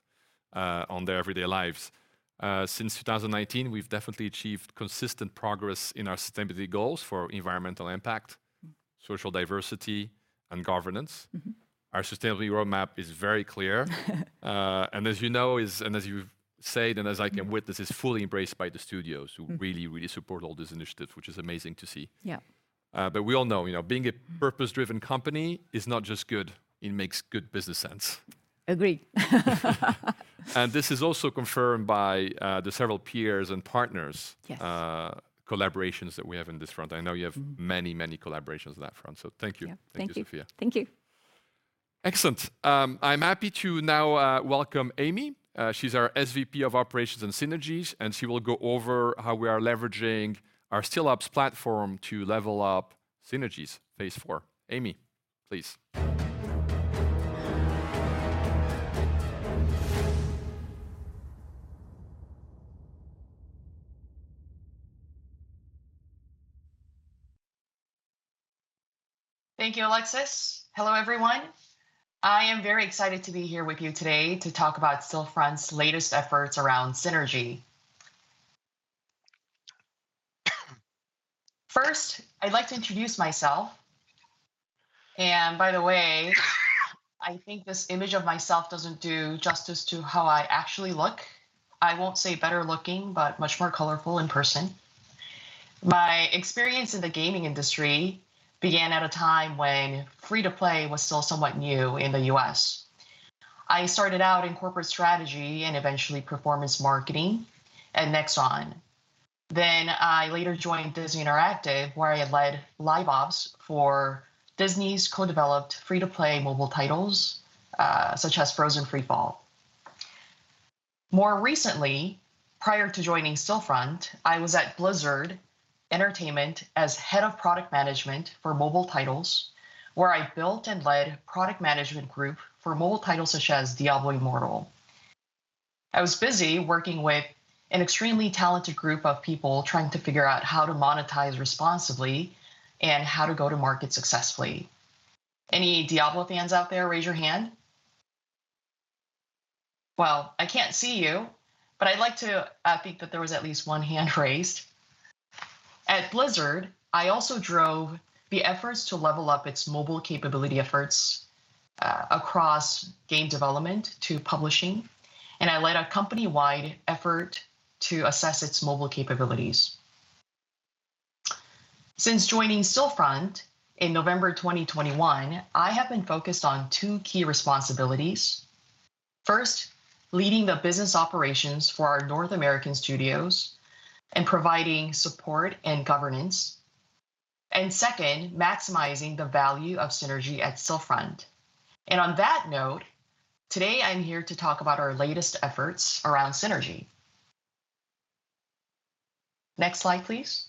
on their everyday lives. Since 2019, we've definitely achieved consistent progress in our sustainability goals for environmental impact, social diversity, and governance. Mm-hmm. Our sustainability roadmap is very clear. As you know, and as you've said, and as I can witness, it's fully embraced by the studios. Mm-hmm... who really support all these initiatives, which is amazing to see. Yeah. We all know, you know, being a purpose-driven company is not just good, it makes good business sense. Agreed. This is also confirmed by the several peers and partners. Yes... collaborations that we have in this front. I know you have many collaborations on that front. Thank you. Yeah. Thank you. Thank you, Sofia. Thank you. Excellent. I'm happy to now welcome Amy. She's our SVP of Operations and Synergies, and she will go over how we are leveraging our Stillops platform to level up synergies Phase Four. Amy, please. Thank you, Alexis. Hello, everyone. I am very excited to be here with you today to talk about Stillfront's latest efforts around synergy. First, I'd like to introduce myself. By the way, I think this image of myself doesn't do justice to how I actually look. I won't say better looking, but much more colorful in person. My experience in the gaming industry began at a time when free-to-play was still somewhat new in the U.S. I started out in corporate strategy and eventually performance marketing at Nexon. I later joined Disney Interactive, where I led live ops for Disney's co-developed free-to-play mobile titles, such as Frozen Free Fall. More recently, prior to joining Stillfront, I was at Blizzard Entertainment as head of product management for mobile titles, where I built and led product management group for mobile titles such as Diablo Immortal. I was busy working with an extremely talented group of people trying to figure out how to monetize responsibly and how to go to market successfully. Any Diablo fans out there? Raise your hand. Well, I can't see you, but I'd like to think that there was at least one hand raised. At Blizzard, I also drove the efforts to level up its mobile capability efforts across game development to publishing, and I led a company-wide effort to assess its mobile capabilities. Since joining Stillfront in November 2021, I have been focused on two key responsibilities. First, leading the business operations for our North American studios and providing support and governance. Second, maximizing the value of synergy at Stillfront. On that note, today I'm here to talk about our latest efforts around synergy. Next slide, please.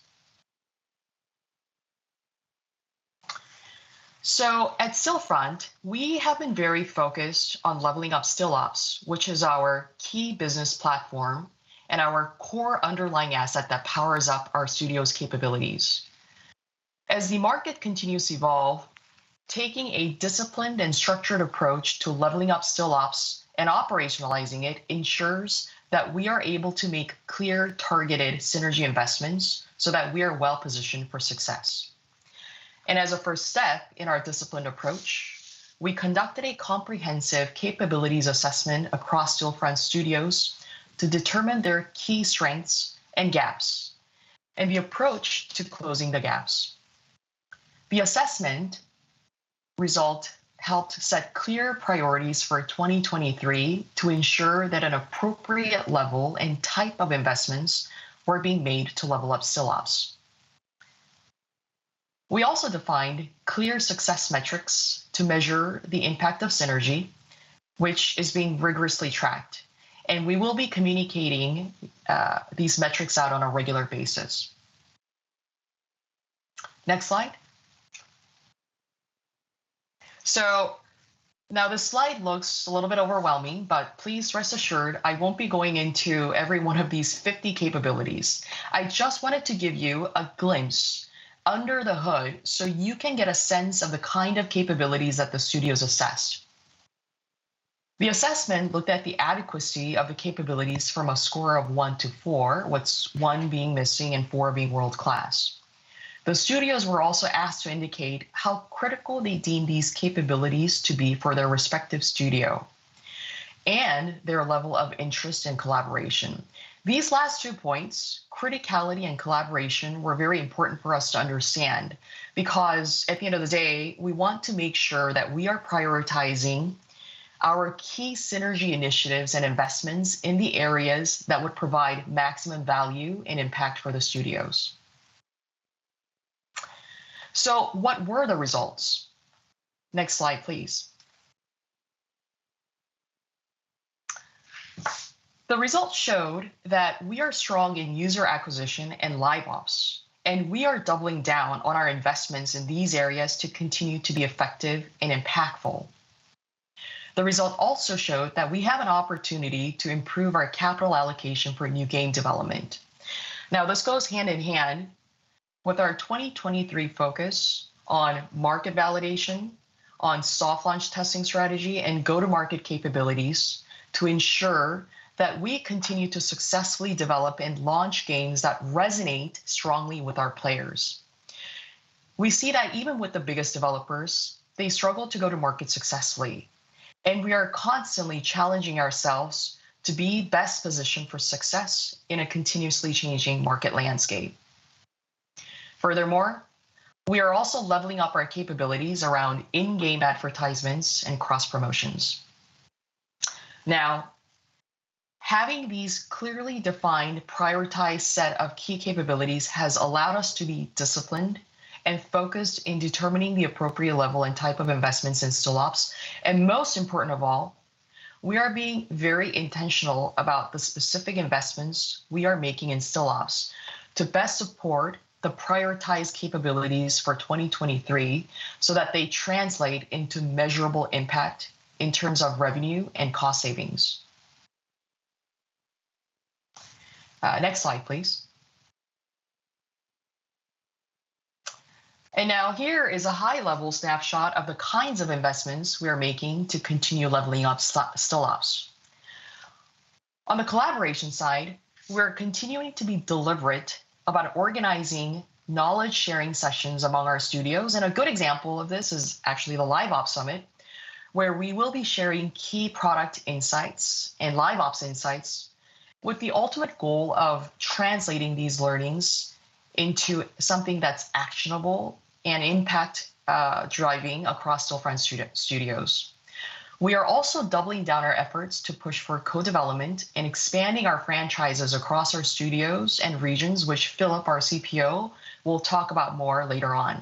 At Stillfront, we have been very focused on leveling up Stillops, which is our key business platform and our core underlying asset that powers up our studio's capabilities. As the market continues to evolve, taking a disciplined and structured approach to leveling up Stillops and operationalizing it ensures that we are able to make clear targeted synergy investments so that we are well-positioned for success. As a first step in our disciplined approach, we conducted a comprehensive capabilities assessment across Stillfront Studios to determine their key strengths and gaps, and the approach to closing the gaps. The assessment result helped set clear priorities for 2023 to ensure that an appropriate level and type of investments were being made to level up Stillops. We also defined clear success metrics to measure the impact of synergy, which is being rigorously tracked, and we will be communicating these metrics out on a regular basis. Next slide. Now this slide looks a little bit overwhelming, but please rest assured I won't be going into every one of these 50 capabilities. I just wanted to give you a glimpse under the hood so you can get a sense of the kind of capabilities that the studios assessed. The assessment looked at the adequacy of the capabilities from a score of one to four. What's one being missing and four being world-class. The studios were also asked to indicate how critical they deem these capabilities to be for their respective studio and their level of interest and collaboration. These last two points, criticality and collaboration, were very important for us to understand because at the end of the day, we want to make sure that we are prioritizing our key synergy initiatives and investments in the areas that would provide maximum value and impact for the studios. What were the results? Next slide, please. The results showed that we are strong in user acquisition and live ops, and we are doubling down on our investments in these areas to continue to be effective and impactful. The result also showed that we have an opportunity to improve our capital allocation for new game development. Now, this goes hand in hand with our 2023 focus on market validation, on soft launch testing strategy, and go-to-market capabilities to ensure that we continue to successfully develop and launch games that resonate strongly with our players. We see that even with the biggest developers, they struggle to go to market successfully, and we are constantly challenging ourselves to be best positioned for success in a continuously changing market landscape. Furthermore, we are also leveling up our capabilities around in-game advertisements and cross-promotions. Now, having these clearly defined, prioritized set of key capabilities has allowed us to be disciplined and focused in determining the appropriate level and type of investments in Stillops. Most important of all, we are being very intentional about the specific investments we are making in Stillops to best support the prioritized capabilities for 2023 so that they translate into measurable impact in terms of revenue and cost savings. Next slide, please. Now here is a high-level snapshot of the kinds of investments we are making to continue leveling up Stillops. On the collaboration side, we're continuing to be deliberate about organizing knowledge-sharing sessions among our studios. A good example of this is actually the Live Ops Summit, where we will be sharing key product insights and live ops insights with the ultimate goal of translating these learnings into something that's actionable and impact driving across Stillfront studios. We are also doubling down our efforts to push for co-development and expanding our franchises across our studios and regions which fill up our CPO. We'll talk about more later on.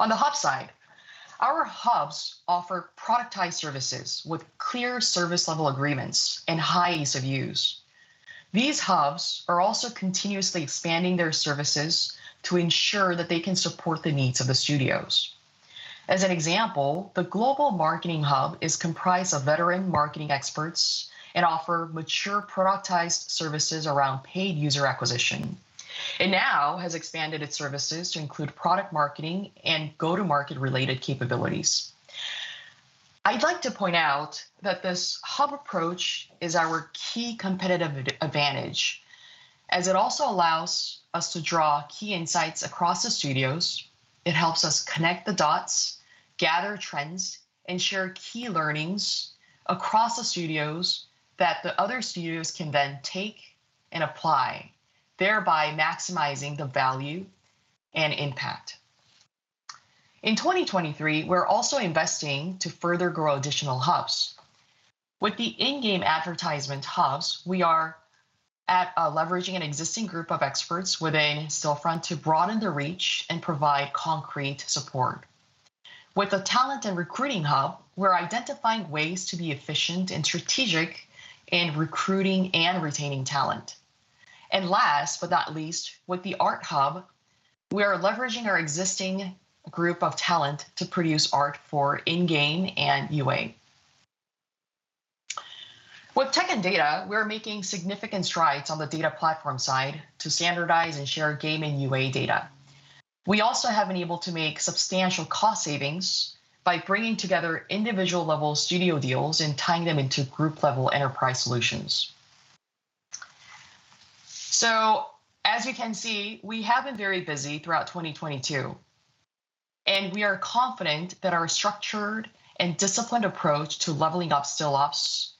On the hub side, our hubs offer productized services with clear service level agreements and high ease of use. These hubs are also continuously expanding their services to ensure that they can support the needs of the studios. As an example, the global marketing hub is comprised of veteran marketing experts and offer mature productized services around paid user acquisition. It now has expanded its services to include product marketing and go-to-market related capabilities. I'd like to point out that this hub approach is our key competitive ad-advantage, as it also allows us to draw key insights across the studios. It helps us connect the dots, gather trends, and share key learnings across the studios that the other studios can then take and apply, thereby maximizing the value and impact. In 2023, we're also investing to further grow additional hubs. With the in-game advertisement hubs, we are leveraging an existing group of experts within Stillfront to broaden the reach and provide concrete support. With the talent and recruiting hub, we're identifying ways to be efficient and strategic in recruiting and retaining talent. Last but not least, with the art hub, we are leveraging our existing group of talent to produce art for in-game and UA. With tech and data, we are making significant strides on the data platform side to standardize and share gaming UA data. We also have been able to make substantial cost savings by bringing together individual-level studio deals and tying them into group-level enterprise solutions. As you can see, we have been very busy throughout 2022. We are confident that our structured and disciplined approach to leveling up Stillops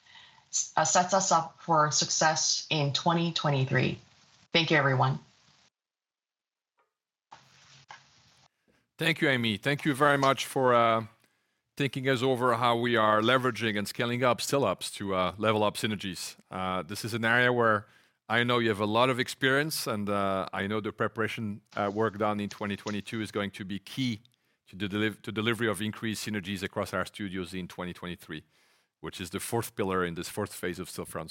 sets us up for success in 2023. Thank you, everyone. Thank you, Amy. Thank you very much for taking us over how we are leveraging and scaling up Stillops to level op synergies. This is an area where I know you have a lot of experience and I know the preparation work done in 2022 is going to be key to delivery of increased synergies across our studios in 2023, which is the 4th pillar in this 4th Phase of Stillfront.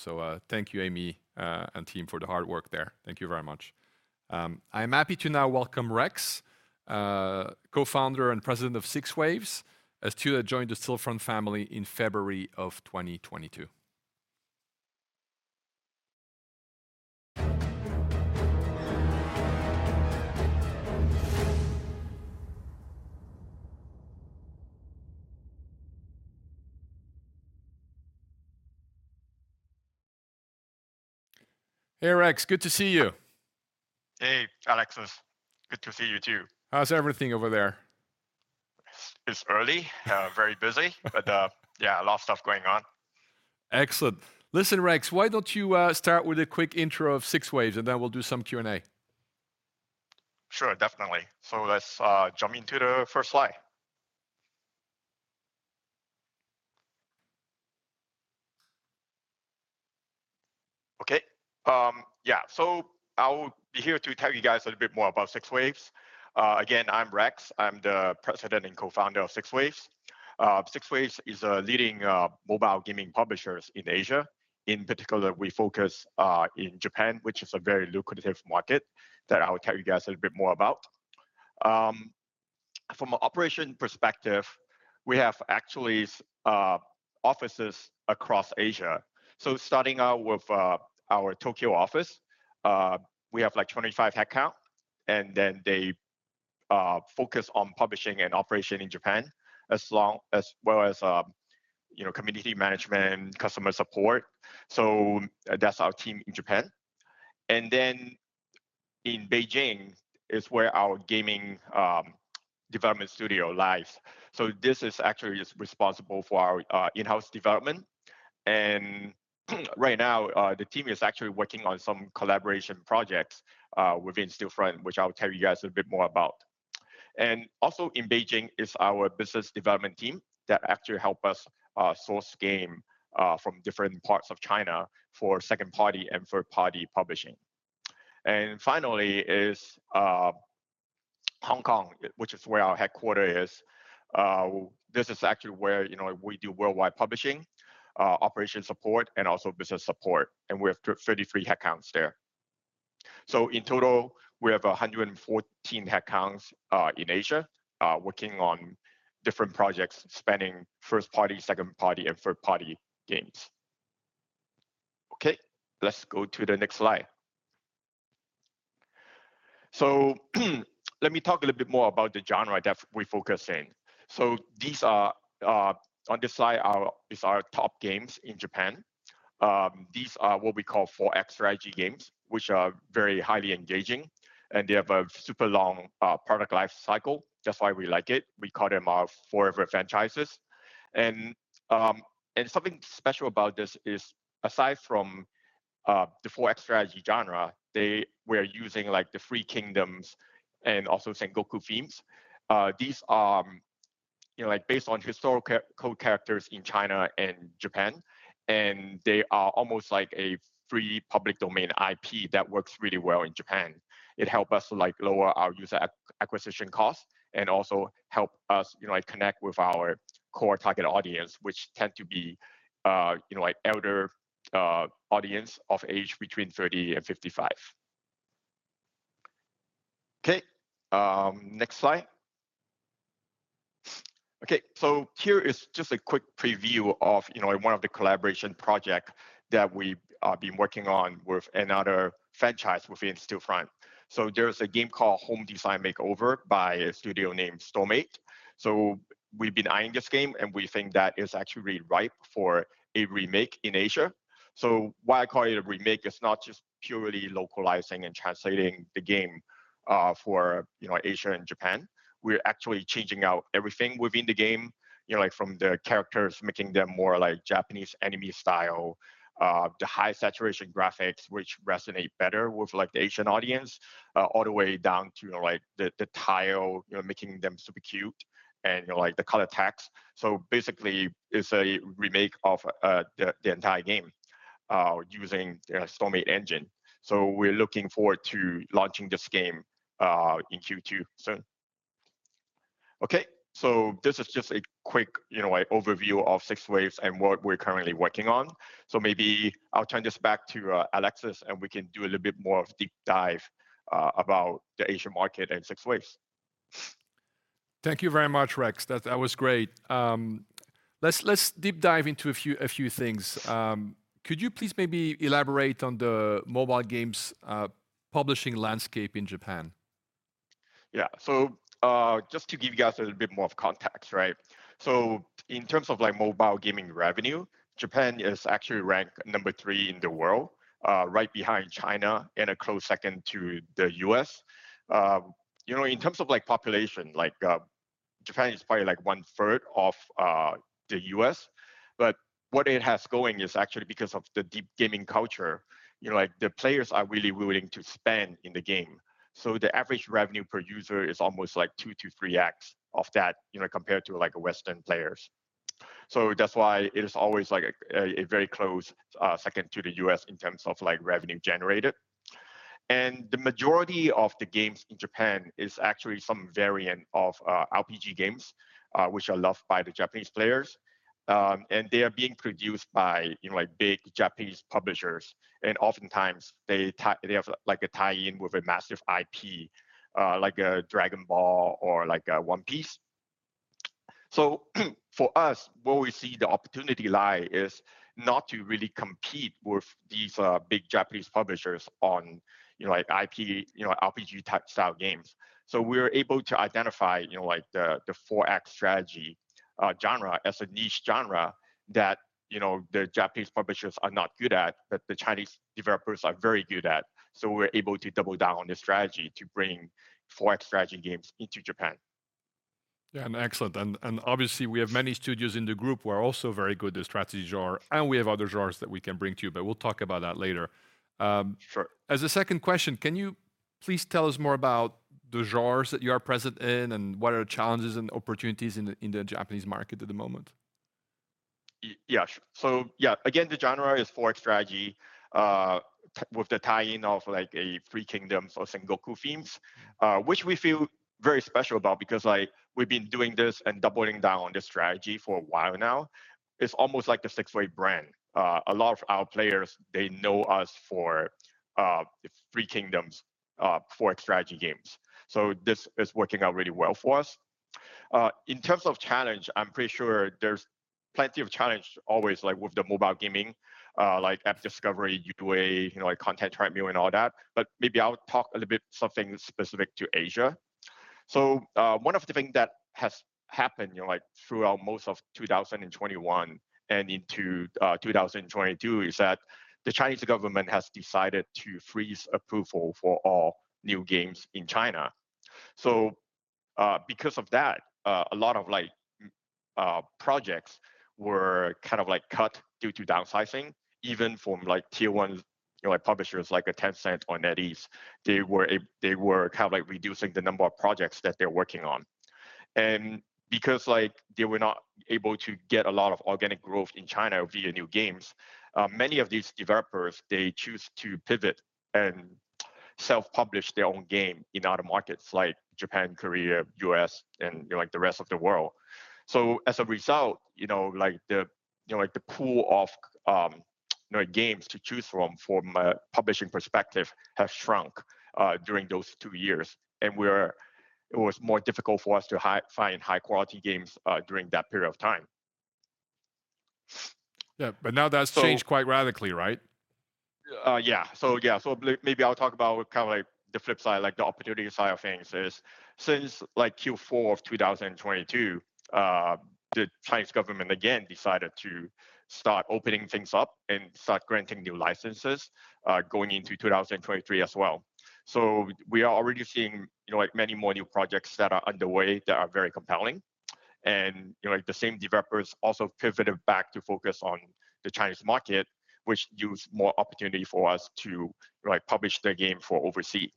Thank you, Amy, and team for the hard work there. Thank you very much. I'm happy to now welcome Rex, co-founder and president of 6waves, a studio that joined the Stillfront family in February of 2022. Hey, Rex, good to see you. Hey, Alexis. Good to see you too. How's everything over there? It's early, very busy, yeah, a lot of stuff going on. Excellent. Listen, Rex, why don't you start with a quick intro of 6waves, and then we'll do some Q&A? Sure. Definitely. Let's jump into the first slide. I will be here to tell you guys a little bit more about 6waves. Again, I'm Rex. I'm the president and co-founder of 6waves. 6waves is a leading mobile gaming publishers in Asia. In particular, we focus in Japan, which is a very lucrative market that I will tell you guys a little bit more about. From a operation perspective, we have actually offices across Asia. Starting out with our Tokyo office, we have like 25 headcounts, they focus on publishing and operation in Japan as well as, you know, community management and customer support. That's our team in Japan. In Beijing is where our gaming development studio lies. This is actually responsible for our in-house development, and right now, the team is actually working on some collaboration projects within Stillfront, which I'll tell you guys a bit more about. Also in Beijing is our business development team that actually help us source game from different parts of China for second-party and third-party publishing. Finally, is Hong Kong, which is where our headquarters is. This is actually where, you know, we do worldwide publishing, operation support, and also business support. We have 33 headcounts there. In total, we have 114 headcounts in Asia working on different projects spanning first-party, second-party, and third-party games. Let's go to the next slide. Let me talk a little bit more about the genre that we focus in. These are, on this slide is our top games in Japan. These are what we call 4X strategy games, which are very highly engaging, and they have a super long product life cycle. That's why we like it. We call them our forever franchises. Something special about this is aside from the 4X strategy genre, they were using like the Three Kingdoms and also Sengoku themes. These are, you know, like, based on historical characters in China and Japan, and they are almost like a free public domain IP that works really well in Japan. It help us to, like, lower our user acquisition costs and also help us, you know, like, connect with our core target audience, which tend to be, you know, like, elder audience of age between 30 and 55. Okay, next slide. Okay, here is just a quick preview of, you know, one of the collaboration projects that we been working on with another franchise within Stillfront. There is a game called Home Design Makeover by a studio named Storm8. We've been eyeing this game, and we think that it's actually really ripe for a remake in Asia. Why I call it a remake, it's not just purely localizing and translating the game for, you know, Asia and Japan. We're actually changing out everything within the game, you know, like from the characters, making them more like Japanese anime style, to high saturation graphics which resonate better with, like, the Asian audience, all the way down to, like, the tile, you know, making them super cute and, you know, like, the color text. Basically, it's a remake of the entire game, using, you know, Storm8 engine. We're looking forward to launching this game in Q2 soon. Okay. This is just a quick, you know, like, overview of 6waves and what we're currently working on. Maybe I'll turn this back to Alexis, and we can do a little bit more of deep dive about the Asian market and 6waves. Thank you very much, Rex. That was great. Let's deep dive into a few things. Could you please maybe elaborate on the mobile games' publishing landscape in Japan? Yeah. Just to give you guys a little bit more of context, right? In terms of, like, mobile gaming revenue, Japan is actually ranked 3 in the world, right behind China and a close second to the U.S. You know, in terms of, like, population, like, Japan is probably like one-third of the U.S. What it has going is actually because of the deep gaming culture, you know, like, the players are really willing to spend in the game. The average revenue per user is almost like 2-3x of that, you know, compared to like Western players. That's why it is always like a very close second to the U.S. in terms of, like, revenue generated. The majority of the games in Japan is actually some variant of RPG games, which are loved by the Japanese players. They are being produced by, you know, like, big Japanese publishers, and oftentimes they have like a tie-in with a massive IP, like a Dragon Ball or like a One Piece. For us, where we see the opportunity lie is not to really compete with these big Japanese publishers on, you know, like, IP, you know, RPG type style games. We're able to identify, you know, like, the 4X strategy genre as a niche genre that, you know, the Japanese publishers are not good at, but the Chinese developers are very good at. We're able to double down on the strategy to bring 4X strategy games into Japan. Yeah. Excellent. Obviously, we have many studios in the group who are also very good at strategy genre, and we have other genres that we can bring to you, but we'll talk about that later. Sure. As a second question, can you please tell us more about the genres that you are present in and what are challenges and opportunities in the Japanese market at the moment? Yeah, sure. Yeah, again, the genre is 4X strategy, with the tie-in of like a Three Kingdoms or Sengoku themes, which we feel very special about because, like, we've been doing this and doubling down on this strategy for a while now. It's almost like the 6waves brand. A lot of our players, they know us for, Three Kingdoms, 4X strategy games. This is working out really well for us. In terms of challenge, I'm pretty sure there's plenty of challenge always like with the mobile gaming, like app discovery, UA, you know, like content and all that, but maybe I'll talk a little bit something specific to Asia. One of the things that has happened, you know, throughout most of 2021 and into 2022, is that the Chinese government has decided to freeze approval for all new games in China. Because of that, a lot of projects were kind of cut due to downsizing, even from tier one, you know, publishers like Tencent or NetEase. They were reducing the number of projects that they're working on. Because they were not able to get a lot of organic growth in China via new games, many of these developers, they choose to pivot and self-publish their own game in other markets like Japan, Korea, U.S., and, you know, the rest of the world. As a result, you know, like the, you know, like the pool of, you know, games to choose from a publishing perspective, have shrunk during those two years. It was more difficult for us to find high quality games during that period of time. Yeah. So-... changed quite radically, right? Yeah, maybe I'll talk about kind of like the flip side, like the opportunity side of things is, since like Q4 of 2022, the Chinese government again decided to start opening things up and start granting new licenses, going into 2023 as well. We are already seeing, you know, like many more new projects that are underway that are very compelling. You know, like the same developers also pivoted back to focus on the Chinese market, which gives more opportunity for us to, like publish their game for overseas.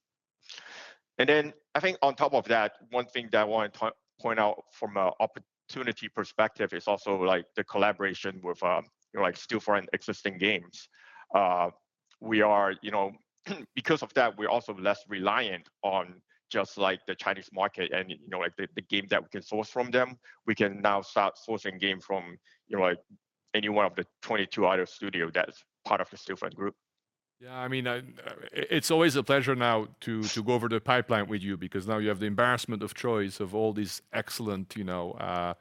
I think on top of that, one thing that I want to point out from a opportunity perspective is also like the collaboration with, you know, like Stillfront existing games. We are, you know, because of that, we're also less reliant on just like the Chinese market and, you know, like the game that we can source from them, we can now start sourcing game from, you know, like any one of the 22 other studio that is part of the Stillfront Group. I mean, it's always a pleasure now to go over the pipeline with you because now you have the embarrassment of choice of all these excellent, you know,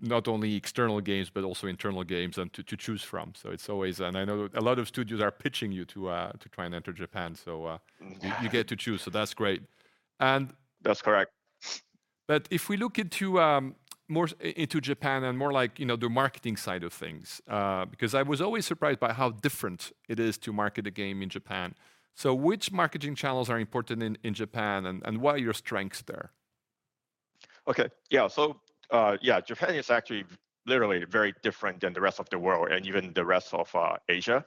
not only external games but also internal games and to choose from. It's always. I know a lot of studios are pitching you to try and enter Japan. Yeah... you get to choose, so that's great. That's correct. If we look into, more into Japan and more like, you know, the marketing side of things, because I was always surprised by how different it is to market a game in Japan. Which marketing channels are important in Japan and what are your strengths there? Japan is actually literally very different than the rest of the world and even the rest of Asia.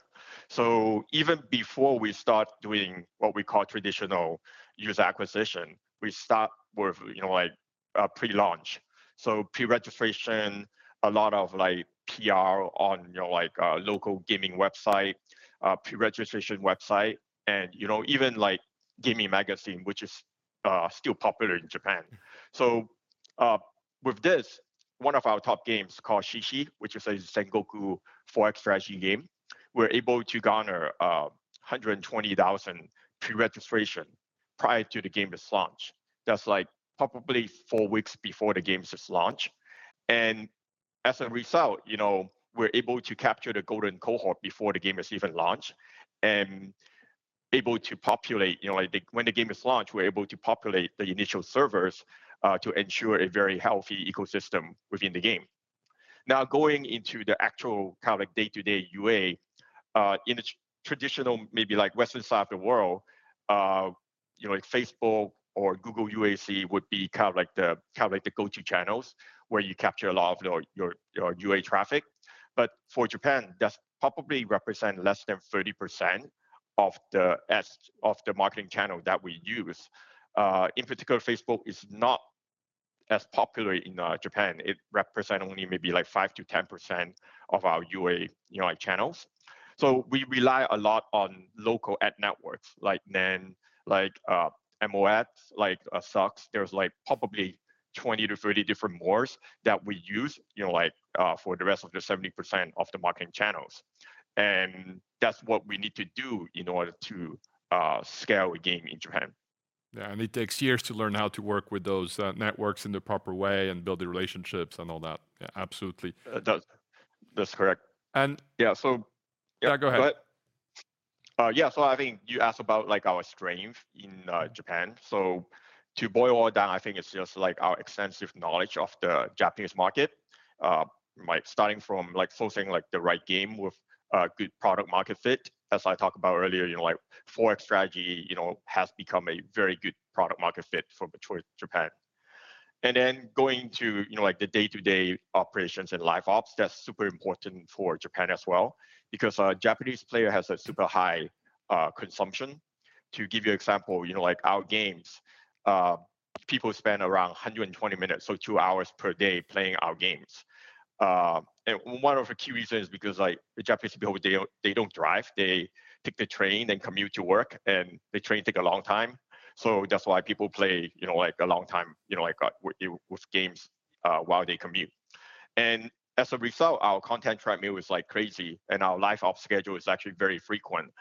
Even before we start doing what we call traditional user acquisition, we start with, you know, like pre-launch. Pre-registration, a lot of like PR on, you know, like local gaming website, pre-registration website and, you know, even like gaming magazine, which is still popular in Japan. With this, one of our top games called Shishinogotoku, which is a Sengoku 4X strategy game, we're able to garner 120,000 pre-registration prior to the game's launch. That's like probably 4 weeks before the game's launch. As a result, you know, we're able to capture the golden cohort before the game is even launched and able to populate, you know, like the... When the game is launched, we're able to populate the initial servers to ensure a very healthy ecosystem within the game. Going into the actual kind of like day-to-day UA, in a traditional maybe like western side of the world, you know, like Facebook or Google UAC would be kind of like the kind of like the go-to channels where you capture a lot of, you know, your UA traffic. For Japan, that's probably represent less than 30% of the ads, of the marketing channel that we use. In particular, Facebook is not as popular in Japan. It represents only maybe like 5%-10% of our UA, you know, like channels. We rely a lot on local ad networks like NAN, like Moat, like SOCKS. There's like probably 20-30 different mores that we use, you know, like, for the rest of the 70% of the marketing channels. That's what we need to do in order to scale a game in Japan. Yeah. It takes years to learn how to work with those networks in the proper way and build the relationships and all that. Yeah, absolutely. It does. That's correct. And- Yeah. Yeah, go ahead. Go ahead. I think you asked about like our strength in Japan. To boil it all down, I think it's just like our extensive knowledge of the Japanese market, like starting from like sourcing like the right game with a good product market fit, as I talked about earlier. You know, like 4X strategy, you know, has become a very good product market fit for Japan. Going to, you know, like the day-to-day operations and live ops, that's super important for Japan as well because a Japanese player has a super high consumption. To give you example, you know, like our games, people spend around 120 minutes so, two hours per day playing our games. One of the key reasons is because like the Japanese people, they don't drive, they take the train, they commute to work, and the train take a long time. That's why people play, you know, like a long time, you know, like with games while they commute. As a result, our content track meet was like crazy, and our live ops schedule is actually very frequent.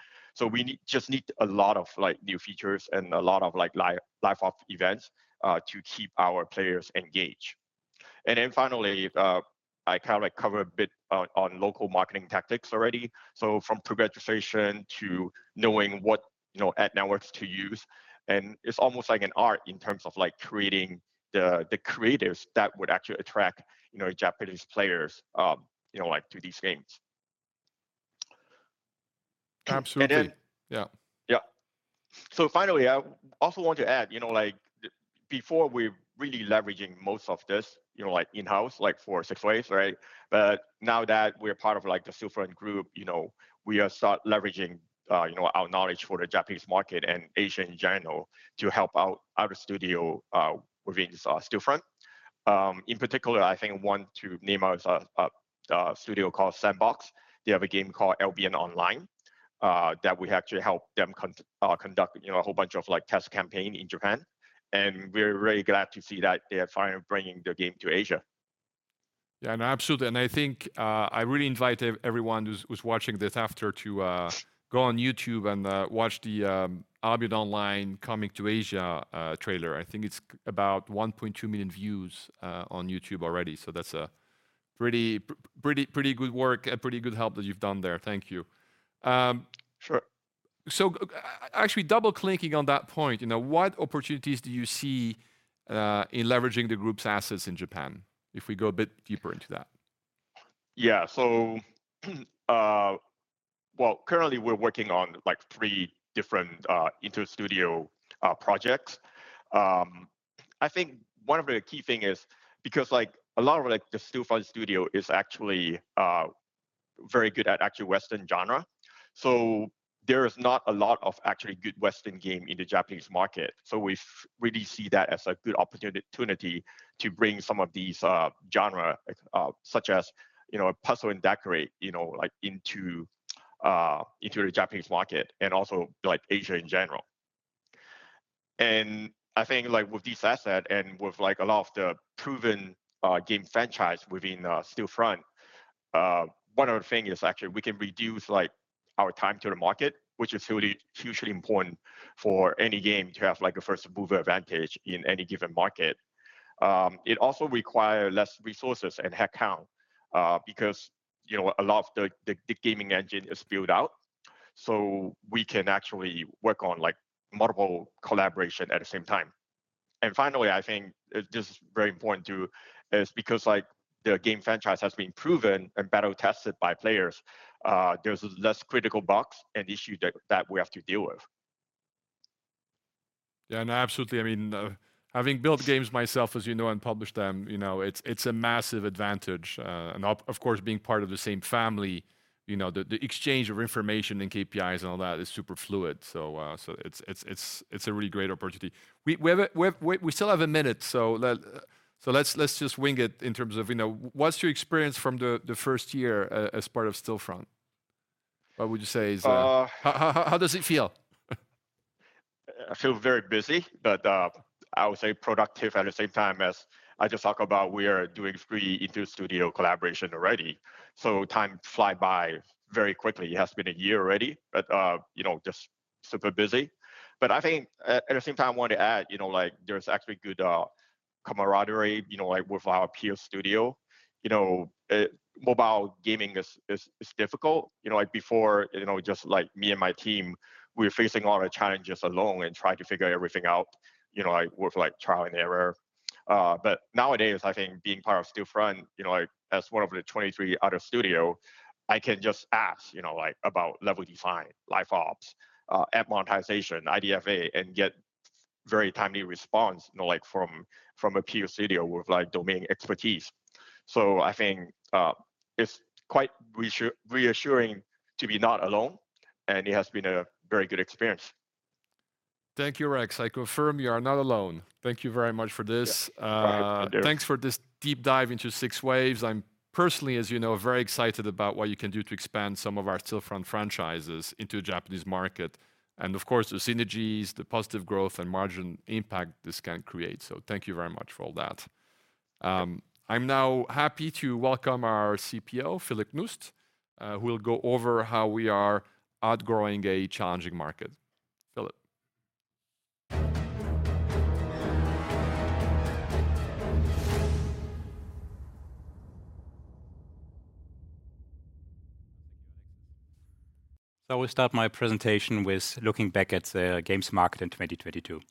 We just need a lot of like new features and a lot of like live ops events to keep our players engaged. Finally, I kinda like covered a bit on local marketing tactics already, so from pre-registration to knowing what, you know, ad networks to use, and it's almost like an art in terms of like creating the creatives that would actually attract, you know, Japanese players, like to these games. Absolutely. Yeah. Yeah. Finally, I also want to add, you know, like before we're really leveraging most of this, you know, like in-house, like for 6waves, right? Now that we're part of like the Stillfront Group, you know, we are start leveraging, you know, our knowledge for the Japanese market and Asia in general to help out our studio within Stillfront. In particular, I think one to name is a studio called Sandbox. They have a game called Albion Online that we actually help them conduct, you know, a whole bunch of like test campaign in Japan, and we're very glad to see that they are finally bringing their game to Asia. Yeah, no, absolutely. I think I really invite everyone who's watching this after to go on YouTube and watch the Albion Online Coming to Asia trailer. I think it's about 1.2 million views on YouTube already, so that's a pretty good work and pretty good help that you've done there. Thank you. Sure. Actually double-clicking on that point, you know, what opportunities do you see in leveraging the group's assets in Japan? If we go a bit deeper into that. Well, currently we're working on like three different inter-studio projects. I think one of the key things is because like a lot of like the Stillfront Studio is actually very good at actual Western genre, there is not a lot of actually good Western game in the Japanese market. We really see that as a good opportunity to bring some of these genres, such as, you know, Puzzle & Decorate, you know, like into the Japanese market and also like Asia in general. I think like with this asset and with like a lot of the proven game franchise within Stillfront, one of the things is actually we can reduce like our time to the market, which is really hugely important for any game to have like a first-mover advantage in any given market. It also requires less resources and headcount because, you know, a lot of the gaming engine is built out, so we can actually work on like multiple collaboration at the same time. Finally, I think this is very important, too, is because like the game franchise has been proven and battle tested by players, there's less critical bugs and issue that we have to deal with. Yeah, no, absolutely. I mean, having built games myself, as you know, and published them, you know, it's a massive advantage. And of course, being part of the same family, you know, the exchange of information and KPIs and all that is super fluid. It's a really great opportunity. We still have a minute, let's just wing it in terms of, you know, what's your experience from the first year as part of Stillfront? What would you say is? Uh- How does it feel? I feel very busy, but I would say productive at the same time as I just talk about, we are doing three inter-studio collaboration already, so time fly by very quickly. It has been a year already, you know, just super busy. I think at the same time, I want to add, you know, like there's actually good camaraderie, you know, like with our peer studio. You know, mobile gaming is difficult. You know, like before, you know, just like me and my team, we were facing all the challenges alone and trying to figure everything out, you know, like with like trial and error. Nowadays, I think being part of Stillfront, you know, like as one of the 23 other studios, I can just ask, you know, like about level design, live ops, ad monetization, IDFA, and get very timely response, you know, like from a peer studio with like domain expertise. I think, it's quite reassuring to be not alone, and it has been a very good experience. Thank you, Rex. I confirm you are not alone. Thank you very much for this. Yeah. My pleasure. Thanks for this deep dive into 6waves. I'm personally, as you know, very excited about what you can do to expand some of our Stillfront franchises into the Japanese market and of course, the synergies, the positive growth, and margin impact this can create, so thank you very much for all that. I'm now happy to welcome our CPO, Philipp Knust, who will go over how we are outgrowing a challenging market. Philipp. I will start my presentation with looking back at the games market in 2022.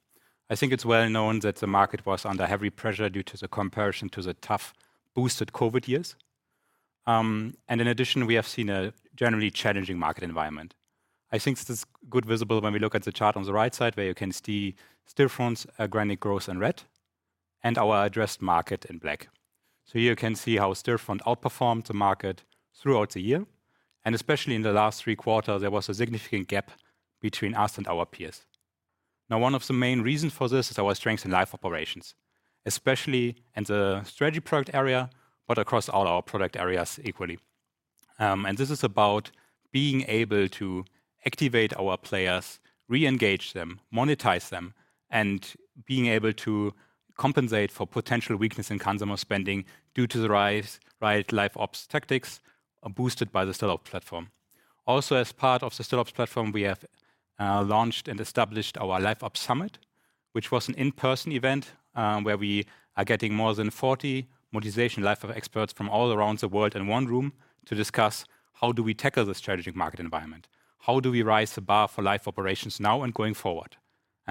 I think it's well known that the market was under heavy pressure due to the comparison to the tough boosted COVID years. And in addition, we have seen a generally challenging market environment. I think this good visible when we look at the chart on the right side where you can see Stillfront's organic growth in red and our addressed market in black. You can see how Stillfront outperformed the market throughout the year, and especially in the last three quarters, there was a significant gap between us and our peers. One of the main reasons for this is our strength in live operations, especially in the strategy product area, but across all our product areas equally. This is about being able to activate our players, re-engage them, monetize them, and being able to compensate for potential weakness in consumer spending due to the rise, right, live ops tactics, boosted by the Stellar platform. As part of the Stellar platform, we have launched and established our Live Ops Summit, which was an in-person event, where we are getting more than 40 monetization live op experts from all around the world in one room to discuss how do we tackle the strategic market environment, how do we raise the bar for live operations now and going forward?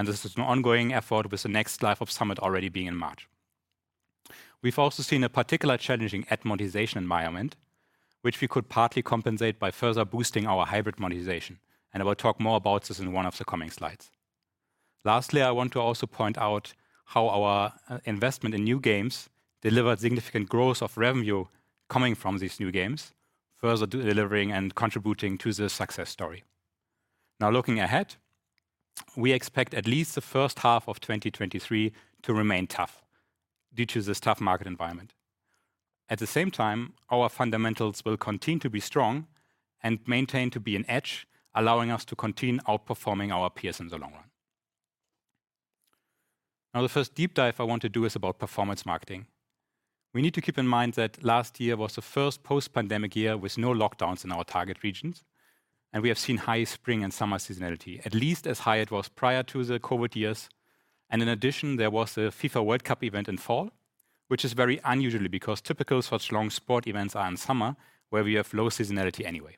This is an ongoing effort with the next Live Ops Summit already being in March. We've also seen a particular challenging ad monetization environment, which we could partly compensate by further boosting our hybrid monetization. I will talk more about this in one of the coming slides. Lastly, I want to also point out how our investment in new games delivered significant growth of revenue coming from these new games, further delivering and contributing to the success story. Looking ahead, we expect at least the first half of 2023 to remain tough due to this tough market environment. At the same time, our fundamentals will continue to be strong and maintain to be an edge, allowing us to continue outperforming our peers in the long run. The first deep dive I want to do is about performance marketing. We need to keep in mind that last year was the first post-pandemic year with no lockdowns in our target regions. We have seen high spring and summer seasonality, at least as high it was prior to the COVID years. In addition, there was the FIFA World Cup event in fall, which is very unusually because typical such long sport events are in summer, where we have low seasonality anyway.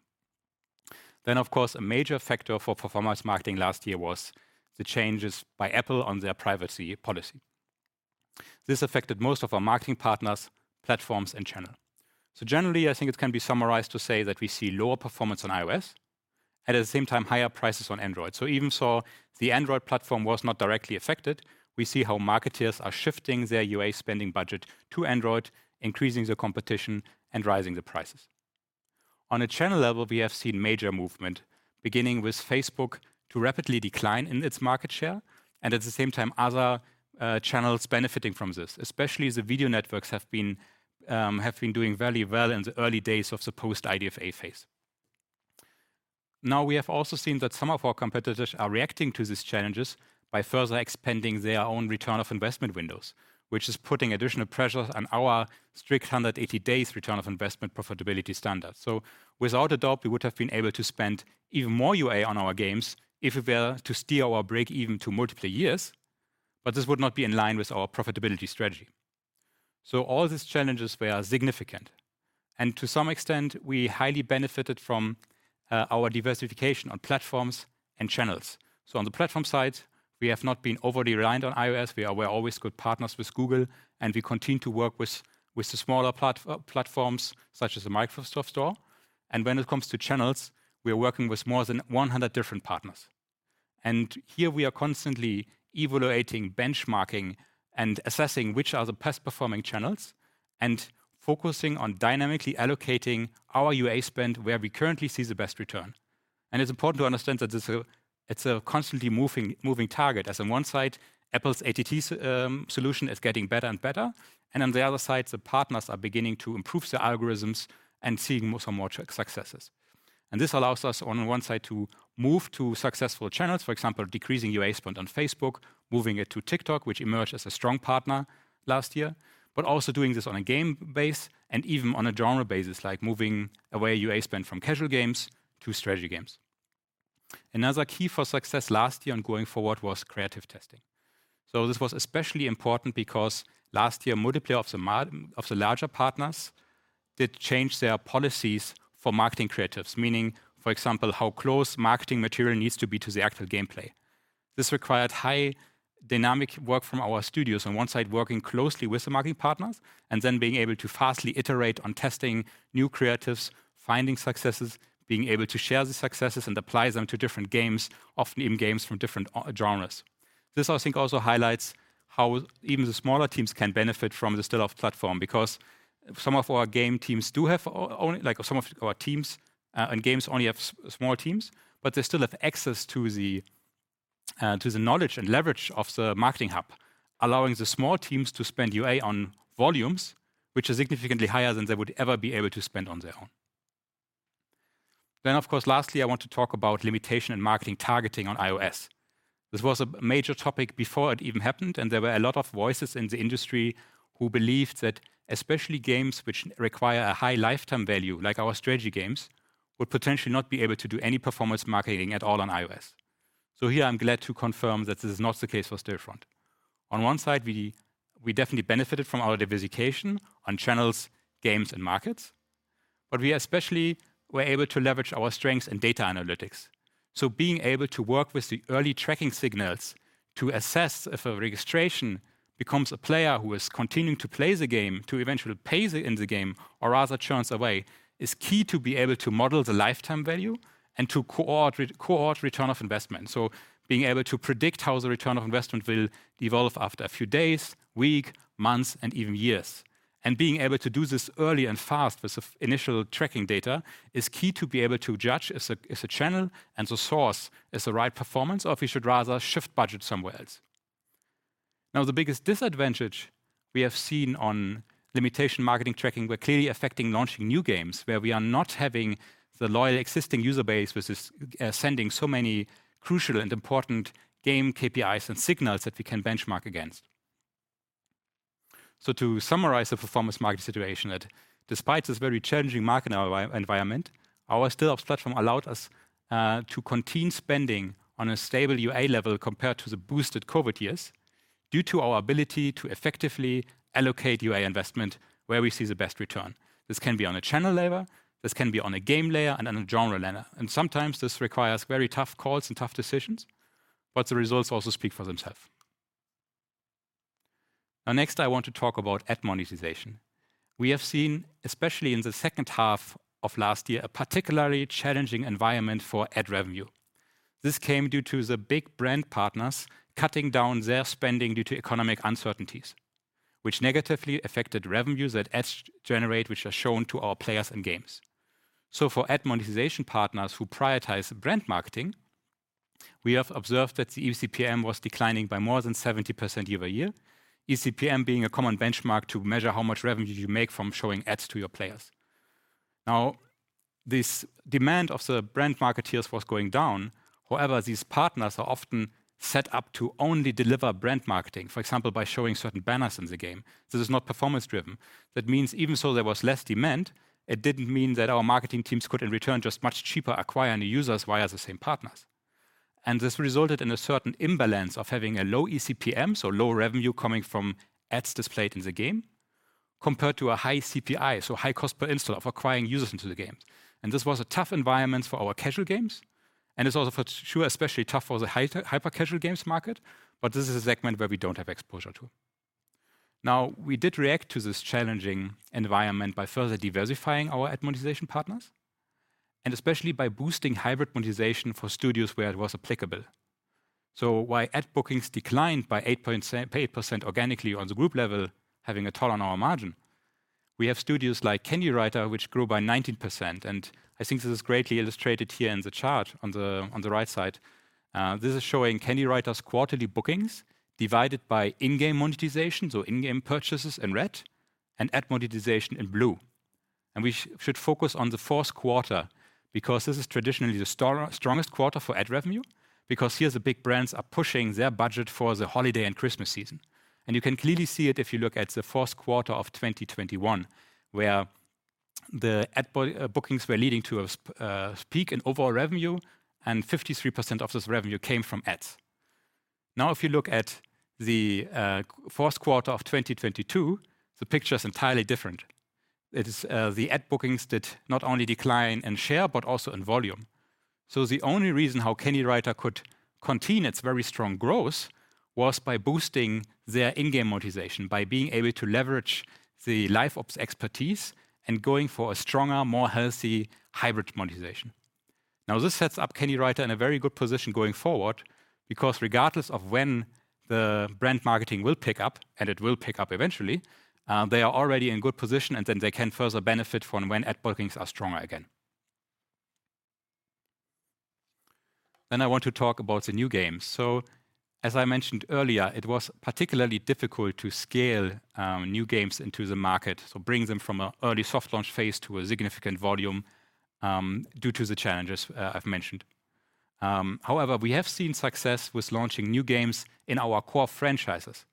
Of course, a major factor for performance marketing last year was the changes by Apple on their privacy policy. This affected most of our marketing partners, platforms, and channel. Generally, I think it can be summarized to say that we see lower performance on iOS, at the same time, higher prices on Android. Even so the Android platform was not directly affected, we see how marketers are shifting their UA spending budget to Android, increasing the competition and rising the prices. On a channel level, we have seen major movement beginning with Facebook to rapidly decline in its market share and at the same time, other channels benefiting from this, especially the video networks have been doing very well in the early days of the post-IDFA phase. We have also seen that some of our competitors are reacting to these challenges by further expanding their own return of investment windows, which is putting additional pressure on our strict 180 days return of investment profitability standard. Without a doubt, we would have been able to spend even more UA on our games if we were to steer our break even to multiple years, but this would not be in line with our profitability strategy. All these challenges were significant, and to some extent, we highly benefited from our diversification on platforms and channels. On the platform side, we have not been overly reliant on iOS. We were always good partners with Google, and we continue to work with the smaller platforms such as the Microsoft Store. When it comes to channels, we are working with more than 100 different partners. Here we are constantly evaluating, benchmarking, and assessing which are the best performing channels and focusing on dynamically allocating our UA spend where we currently see the best return. It's important to understand that it's a constantly moving target. As on one side, Apple's ATT solution is getting better and better, and on the other side, the partners are beginning to improve their algorithms and seeing more and more successes. This allows us on one side to move to successful channels, for example, decreasing UA spend on Facebook, moving it to TikTok, which emerged as a strong partner last year. Also doing this on a game base and even on a genre basis, like moving away UA spend from casual games to strategy games. Another key for success last year and going forward was creative testing. This was especially important because last year, multiple of the larger partners did change their policies for marketing creatives, meaning, for example, how close marketing material needs to be to the actual gameplay. This required high dynamic work from our studios on one side, working closely with the marketing partners, and then being able to fastly iterate on testing new creatives, finding successes, being able to share the successes and apply them to different games, often even games from different genres. This, I think, also highlights how even the smaller teams can benefit from the Stillops platform, because some of our game teams do have only, like some of our teams, and games only have small teams, but they still have access to the knowledge and leverage of the marketing hub, allowing the small teams to spend UA on volumes which are significantly higher than they would ever be able to spend on their own. Of course, lastly, I want to talk about limitation and marketing targeting on iOS. This was a major topic before it even happened, and there were a lot of voices in the industry who believed that especially games which require a high lifetime value, like our strategy games, would potentially not be able to do any performance marketing at all on iOS. Here I'm glad to confirm that this is not the case for Stillfront. On one side, we definitely benefited from our diversification on channels, games, and markets, but we especially were able to leverage our strengths in data analytics. Being able to work with the early tracking signals to assess if a registration becomes a player who is continuing to play the game, to eventually pay in the game or rather churns away, is key to be able to model the lifetime value and to return of investment. Being able to predict how the return of investment will evolve after a few days, week, months, and even years. Being able to do this early and fast with the initial tracking data is key to be able to judge is the channel and the source is the right performance, or we should rather shift budget somewhere else. Now, the biggest disadvantage we have seen on limitation marketing tracking were clearly affecting launching new games where we are not having the loyal existing user base, which is sending so many crucial and important game KPIs and signals that we can benchmark against. To summarize the performance market situation that despite this very challenging market environment, our Stillops platform allowed us to continue spending on a stable UA level compared to the boosted COVID years due to our ability to effectively allocate UA investment where we see the best return. This can be on a channel level; this can be on a game layer and on a genre level. sometimes this requires very tough calls and tough decisions, but the results also speak for themselves. next I want to talk about ad monetization. We have seen, especially in the second half of last year, a particularly challenging environment for ad revenue. This came due to the big brand partners cutting down their spending due to economic uncertainties, which negatively affected revenues that ads generate, which are shown to our players and games. for ad monetization partners who prioritize brand marketing, we have observed that the eCPM was declining by more than 70% year-over-year, eCPM being a common benchmark to measure how much revenue you make from showing ads to your players. this demand of the brand marketeers was going down. These partners are often set up to only deliver brand marketing, for example, by showing certain banners in the game. This is not performance driven. Even so there was less demand, it didn't mean that our marketing teams could in return just much cheaper acquire new users via the same partners. This resulted in a certain imbalance of having a low eCPM, so low revenue coming from ads displayed in the game, compared to a high CPI, so high cost per install of acquiring users into the game. This was a tough environment for our casual games, and it's also for sure, especially tough for the hyper-casual games market, but this is a segment where we don't have exposure to. We did react to this challenging environment by further diversifying our ad monetization partners, and especially by boosting hybrid monetization for studios where it was applicable. While ad bookings declined by 8% organically on the group level, having a toll on our margin, we have studios like Candywriter, which grew by 19%, and I think this is greatly illustrated here in the chart on the, on the right side. This is showing Candywriter's quarterly bookings divided by in-game monetization, so in-game purchases in red and ad monetization in blue. We should focus on the fourth quarter because this is traditionally the strongest quarter for ad revenue, because here the big brands are pushing their budget for the holiday and Christmas season. You can clearly see it if you look at the fourth quarter of 2021, where the ad bookings were leading to a peak in overall revenue and 53% of this revenue came from ads. If you look at the fourth quarter of 2022, the picture is entirely different. It is the ad bookings did not only decline in share, but also in volume. The only reason how Candywriter could continue its very strong growth was by boosting their in-game monetization, by being able to leverage the live ops expertise and going for a stronger, more healthy hybrid monetization. This sets up Candywriter in a very good position going forward because regardless of when the brand marketing will pick up, and it will pick up eventually, they are already in good position, they can further benefit from when ad bookings are stronger again. I want to talk about the new games. As I mentioned earlier, it was particularly difficult to scale new games into the market, so bring them from a early soft launch phase to a significant volume, due to the challenges I've mentioned. However, we have seen success with launching new games in our core franchises.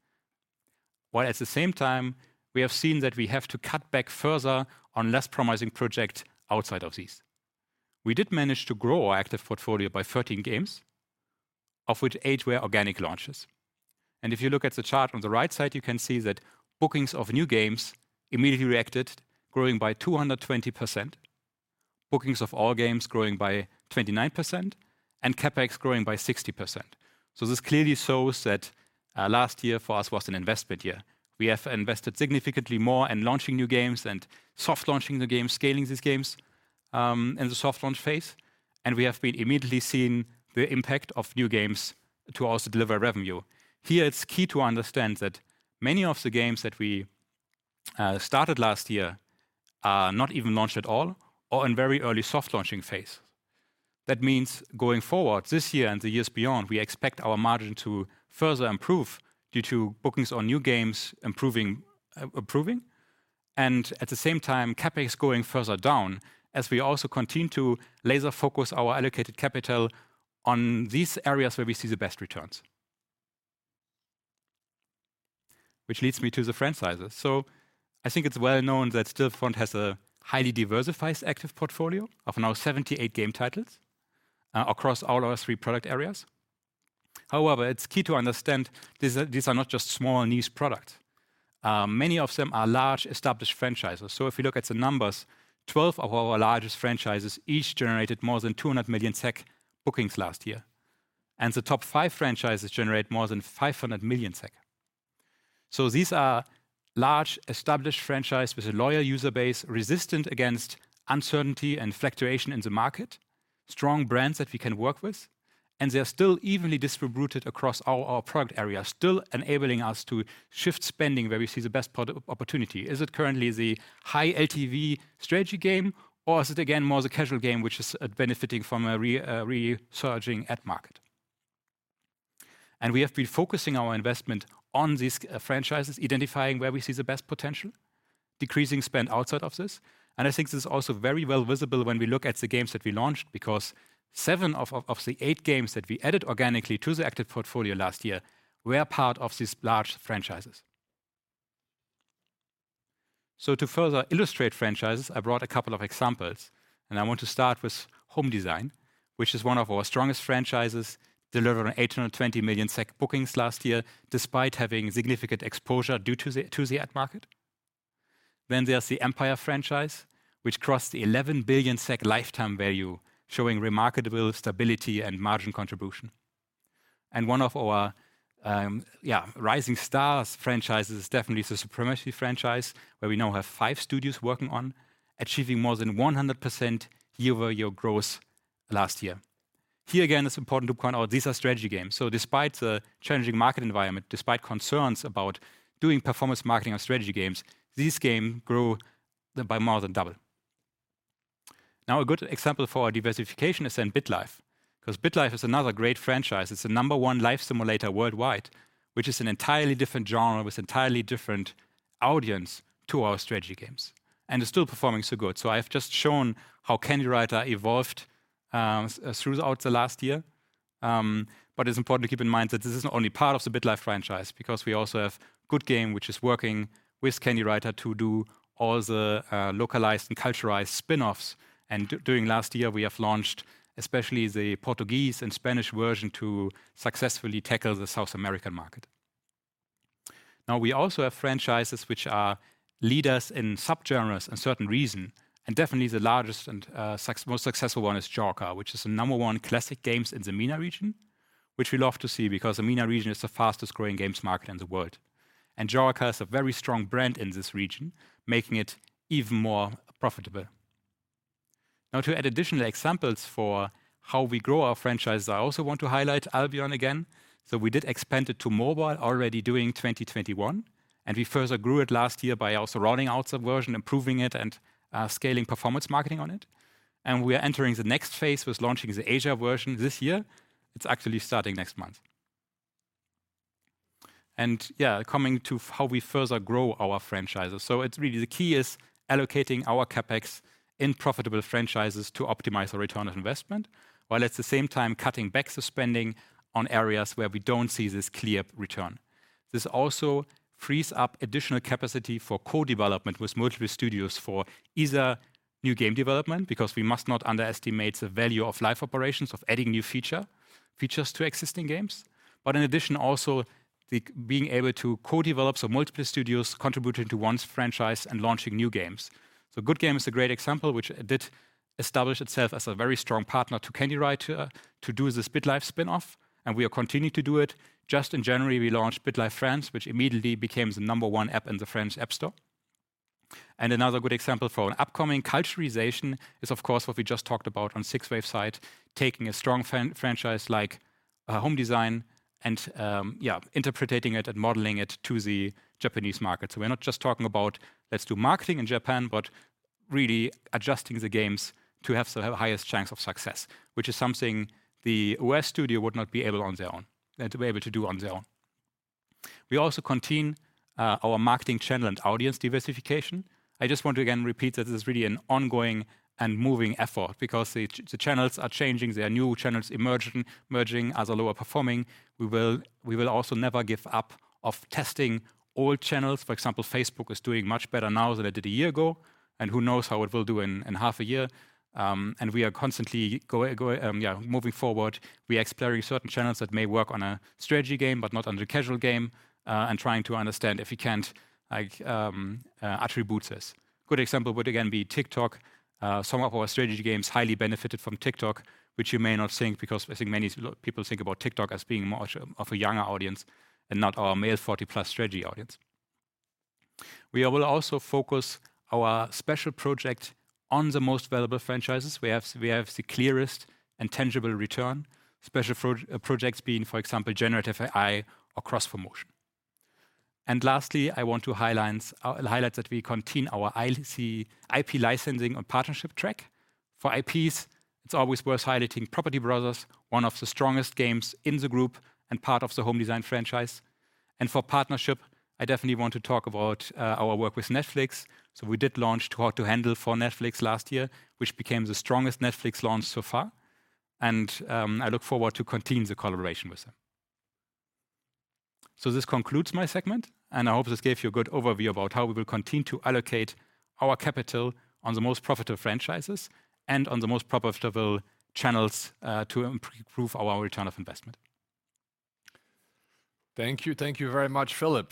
While at the same time, we have seen that we have to cut back further on less promising project outside of these. We did manage to grow our active portfolio by 13 games, of which eight were organic launches. If you look at the chart on the right side, you can see that bookings of new games immediately reacted, growing by 220%, bookings of all games growing by 29%, and CapEx growing by 60%. This clearly shows that last year for us was an investment year. We have invested significantly more in launching new games and soft launching the games, scaling these games in the soft launch phase, and we have been immediately seeing the impact of new games to also deliver revenue. It's key to understand that many of the games that we started last year are not even launched at all or in very early soft launching phase. That means going forward this year and the years beyond, we expect our margin to further improve due to bookings on new games improving, and at the same time, CapEx going further down as we also continue to laser focus our allocated capital on these areas where we see the best returns. Leads me to the franchises. I think it's well known that Stillfront has a highly diversified active portfolio of now 78 game titles across all our three product areas. However, it's key to understand these are not just small niche products. Many of them are large established franchises. If you look at the numbers, 12 of our largest franchises each generated more than 200 million SEK bookings last year, and the top 5 franchises generate more than 500 million SEK. These are large established franchise with a loyal user base resistant against uncertainty and fluctuation in the market, strong brands that we can work with, and they are still evenly distributed across all our product areas, still enabling us to shift spending where we see the best opportunity. Is it currently the high LTV strategy game, or is it again more the casual game which is benefiting from a resurging ad market? We have been focusing our investment on these franchises, identifying where we see the best potential, decreasing spend outside of this. I think this is also very well visible when we look at the games that we launched, because seven of the eight games that we added organically to the active portfolio last year were part of these large franchises. To further illustrate franchises, I brought a couple of examples, and I want to start with Home Design, which is one of our strongest franchises, delivered 820 million SEK bookings last year despite having significant exposure due to the ad market. There's the Empire franchise, which crossed 11 billion SEK lifetime value, showing remarkable stability and margin contribution. One of our, yeah, rising stars franchises is definitely the Supremacy franchise, where we now have five studios working on achieving more than 100% year-over-year growth last year. Here again, it's important to point out these are strategy games. Despite the challenging market environment, despite concerns about doing performance marketing on strategy games, this game grew by more than double. A good example for our diversification is in BitLife, 'cause BitLife is another great franchise. It's the number one life simulator worldwide, which is an entirely different genre with entirely different audience to our strategy games, and it's still performing so good. I've just shown how Candywriter evolved throughout the last year. It's important to keep in mind that this is only part of the BitLife franchise because we also have Goodgame, which is working with Candywriter to do all the localized and culturalized spin-offs. During last year, we have launched especially the Portuguese and Spanish version to successfully tackle the South American market. We also have franchises which are leaders in subgenres and certain reason, definitely the largest and most successful one is Jawaker, which is the number one classic games in the MENA region, which we love to see because the MENA region is the fastest growing games market in the world. Jawaker is a very strong brand in this region, making it even more profitable. To add additional examples for how we grow our franchises, I also want to highlight Albion again. We did expand it to mobile already during 2021, and we further grew it last year by also rolling out the version, improving it, and scaling performance marketing on it. We are entering the next phase with launching the Asia version this year. It's actually starting next month. Yeah, coming to how we further grow our franchises. It's really the key is allocating our CapEx in profitable franchises to optimize the return on investment, while at the same time cutting back the spending on areas where we don't see this clear return. This also frees up additional capacity for co-development with multiple studios for either new game development, because we must not underestimate the value of live operations, of adding new features to existing games. In addition, also the being able to co-develop, so multiple studios contributing to one's franchise and launching new games. Goodgame is a great example, which did establish itself as a very strong partner to Candywriter to do this BitLife spin-off, and we are continuing to do it. Just in January, we launched BitLife Français, which immediately became the number 1 app in the French App Store. Another good example for an upcoming culturalization is, of course, what we just talked about on 6waves side, taking a strong franchise like Home Design and, yeah, interpreting it and modeling it to the Japanese market. We're not just talking about let's do marketing in Japan but really adjusting the games to have the highest chance of success, which is something the West studio would not be able to do on their own. We also continue our marketing channel and audience diversification. I just want to again repeat that this is really an ongoing and moving effort because the channels are changing. There are new channels emerging as are lower performing. We will also never give up of testing old channels. For example, Facebook is doing much better now than it did a year ago, who knows how it will do in half a year. We are constantly moving forward. We are exploring certain channels that may work on a strategy game but not on a casual game, trying to understand if we can't, like, attribute this. Good example would again be TikTok. Some of our strategy games highly benefited from TikTok, which you may not think because I think many people think about TikTok as being more of a, of a younger audience and not our male 40 plus strategy audience. We will also focus our special project on the most valuable franchises. We have the clearest and tangible return. Special projects being, for example, generative AI or cross-promotion. Lastly, I want to highlight that we continue our IP licensing and partnership track. For IPs, it's always worth highlighting Property Brothers, one of the strongest games in the group and part of the Home Design franchise. For partnership, I definitely want to talk about our work with Netflix. We did launch Too Hot to Handle for Netflix last year, which became the strongest Netflix launch so far, and I look forward to continue the collaboration with them. This concludes my segment, and I hope this gave you a good overview about how we will continue to allocate our capital on the most profitable franchises and on the most profitable channels to improve our return of investment. Thank you. Thank you very much, Philipp.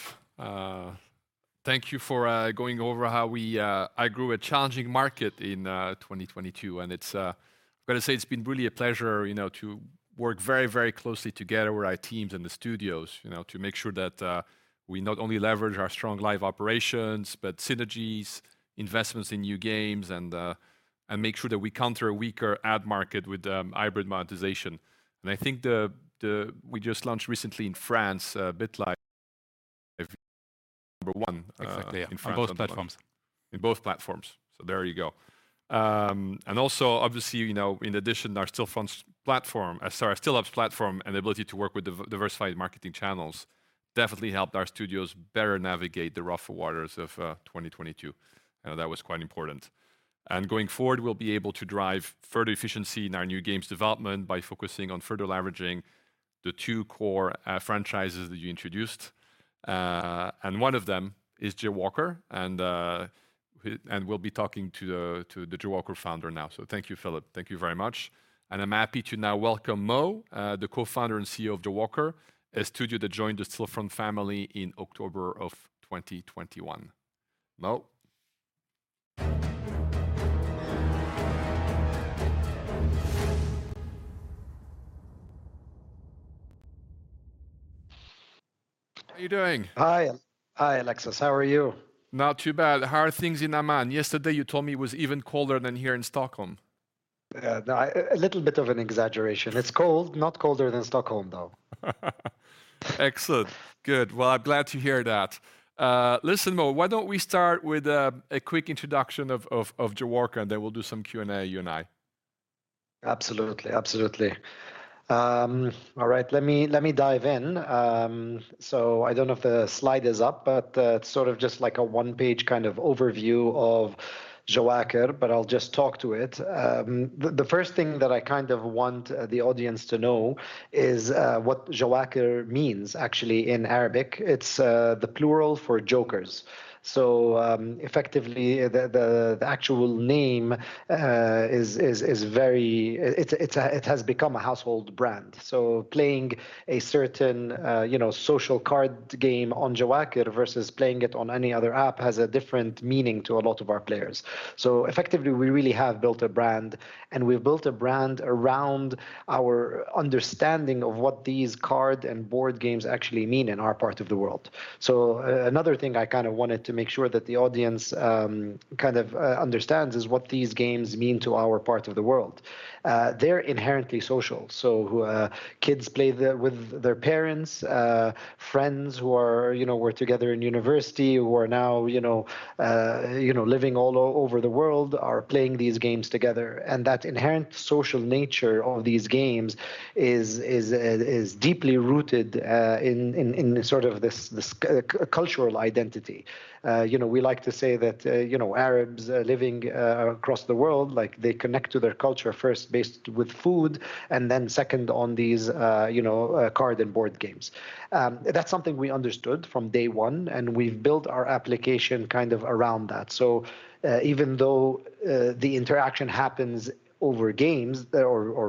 Thank you for going over how we grew a challenging market in 2022. It's I've gotta say it's been really a pleasure, you know, to work very, very closely together with our teams and the studios, you know, to make sure that we not only leverage our strong live operations, but synergies, investments in new games and make sure that we counter a weaker ad market with hybrid monetization. I think the we just launched recently in France, BitLife Number one. Exactly, yeah. in France at the moment. On both platforms. In both platforms. There you go. Also, obviously, you know, in addition our Stillops platform and ability to work with diversified marketing channels definitely helped our studios better navigate the rougher waters of 2022. That was quite important. Going forward, we'll be able to drive further efficiency in our new games development by focusing on further leveraging the 2 core franchises that you introduced. One of them is Jawaker, and we'll be talking to the Jawaker founder now. Thank you, Phillip. Thank you very much. I'm happy to now welcome Mo, the co-founder and CEO of Jawaker, a studio that joined the Stillfront family in October of 2021. Mo? How are you doing? Hi. Hi Alexis, how are you? Not too bad. How are things in Amman? Yesterday you told me it was even colder than here in Stockholm. Yeah. No, a little bit of an exaggeration. It's cold, not colder than Stockholm, though. Excellent, good. I'm glad to hear that. Listen, Mo, why don't we start with a quick introduction of Jawaker, then we'll do some Q&A, you and I. Absolutely. Absolutely. All right, let me dive in. I don't know if the slide is up, but it's sort of just like a one-page kind of overview of Jawaker, but I'll just talk to it. The first thing that I kind of want the audience to know is what Jawaker means actually in Arabic. It's the plural for jokers. Effectively the actual name is very... it has become a household brand, so playing a certain, you know, social card game on Jawaker versus playing it on any other app has a different meaning to a lot of our players. Effectively, we really have built a brand, and we've built a brand around our understanding of what these card and board games actually mean in our part of the world. Another thing I kinda wanted to make sure that the audience, kind of, understands is what these games mean to our part of the world. They're inherently social, so kids play with their parents. Friends who are, you know, were together in university who are now, you know, you know, living all over the world are playing these games together. That inherent social nature of these games is deeply rooted in sort of this cultural identity. We like to say that Arabs living across the world, they connect to their culture first based with food and then second on these card and board games. That's something we understood from day one, and we've built our application kind of around that. Even though the interaction happens over games or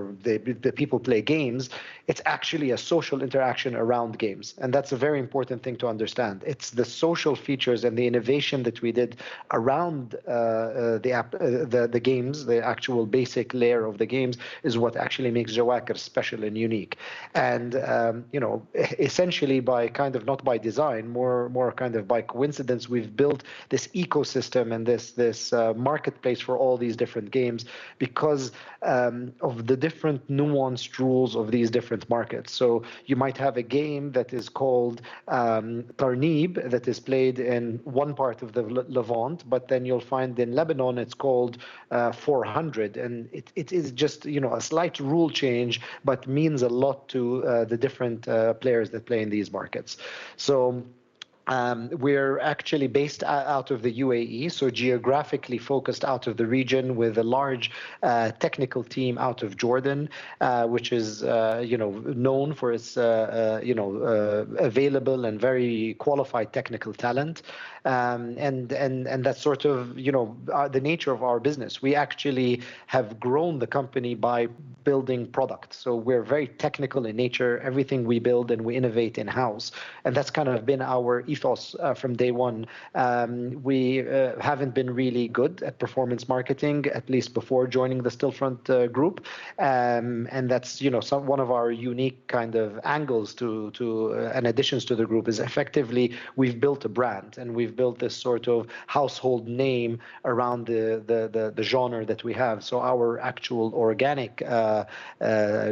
the people play games, it's actually a social interaction around games, and that's a very important thing to understand. It's the social features and the innovation that we did around the app, the games, the actual basic layer of the games, is what actually makes Jawaker special and unique. You know, essentially by kind of, not by design, more kind of by coincidence, we've built this ecosystem and this marketplace for all these different games because of the different nuanced rules of these different markets. You might have a game that is called Tarneeb that is played in one part of the Levant, but then you'll find in Lebanon it is just called 400, and it is just, you know, a slight rule change, but means a lot to the different players that play in these markets. We're actually based out of the UAE, so geographically focused out of the region with a large technical team out of Jordan, which is, you know, known for its, you know, available and very qualified technical talent. That's sort of, you know, the nature of our business. We actually have grown the company by building product, so we're very technical in nature. Everything we build and we innovate in-house; that's kind of been our ethos from day one. We haven't been really good at performance marketing, at least before joining the Stillfront Group. That's, you know, some, one of our unique kind of angles to and additions to the Group is effectively we've built a brand and we've built this sort of household name around the genre that we have. Our actual organic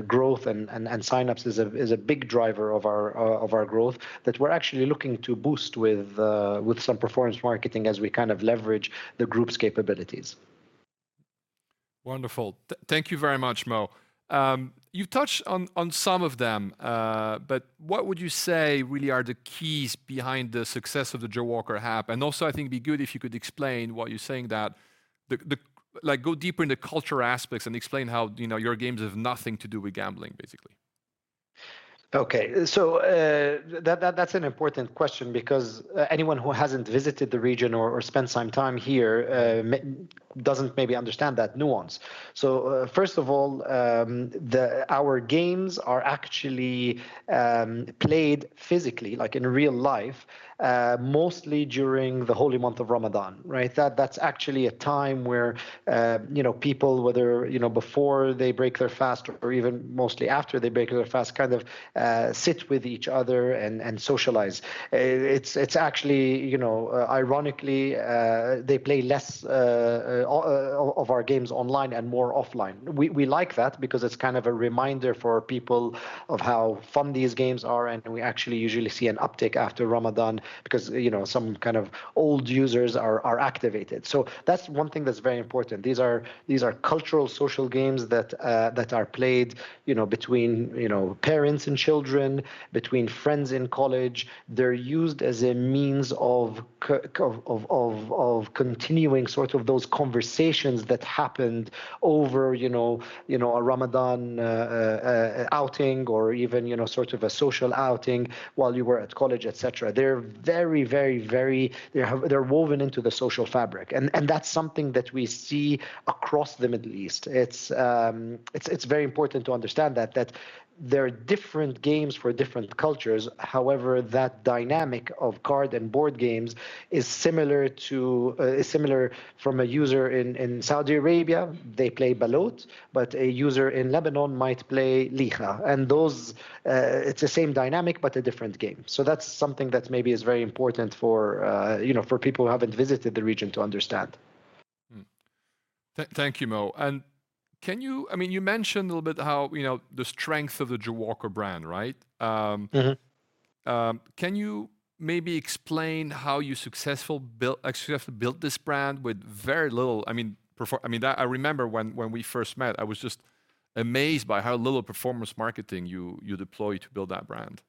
growth and sign-ups is a big driver of our of our growth that we're actually looking to boost with some performance marketing as we kind of leverage the group's capabilities. Wonderful. Thank you very much, Mo. You've touched on some of them, what would you say really are the keys behind the success of the Jawaker app? Also, I think it'd be good if you could explain what you're saying that the... like go deeper into culture aspects and explain how, you know, your games have nothing to do with gambling, basically? Okay. That's an important question because anyone who hasn't visited the region or spent some time here doesn't maybe understand that nuance. First of all, our games are actually played physically, like in real life, mostly during the holy month of Ramadan, right? That's actually a time where, you know, people, whether, you know, before they break their fast or even mostly after they break their fast, kind of, sit with each other and socialize. It's actually, you know, ironically, they play less of our games online and more offline. We like that because it's kind of a reminder for people of how fun these games are, and we actually usually see an uptick after Ramadan because, you know, some kinds of old users are activated. That's one thing that's very important. These are, these are cultural social games that are played, you know, between, you know, parents and children, between friends in college. They're used as a means of continuing sort of those conversations that happened over, you know, you know, a Ramadan outing or even, you know, sort of a social outing while you were at college, et cetera. They're very woven into the social fabric. That's something that we see across the Middle East. It's very important to understand that there are different games for different cultures. However, that dynamic of card and board games is similar to... is similar from a user in Saudi Arabia, they play Baloot, but a user in Lebanon might play Leekha. Those, it's the same dynamic, but a different game. That's something that maybe is very important for, you know, for people who haven't visited the region to understand. Thank you, Mo. Can you... I mean, you mentioned a little bit how, you know, the strength of the Jawaker brand, right? Mm-hmm. Can you maybe explain how you successfully built, actually have built this brand with very little, I mean, I remember when we first met, I was just amazed by how little performance marketing you deploy to build that brand?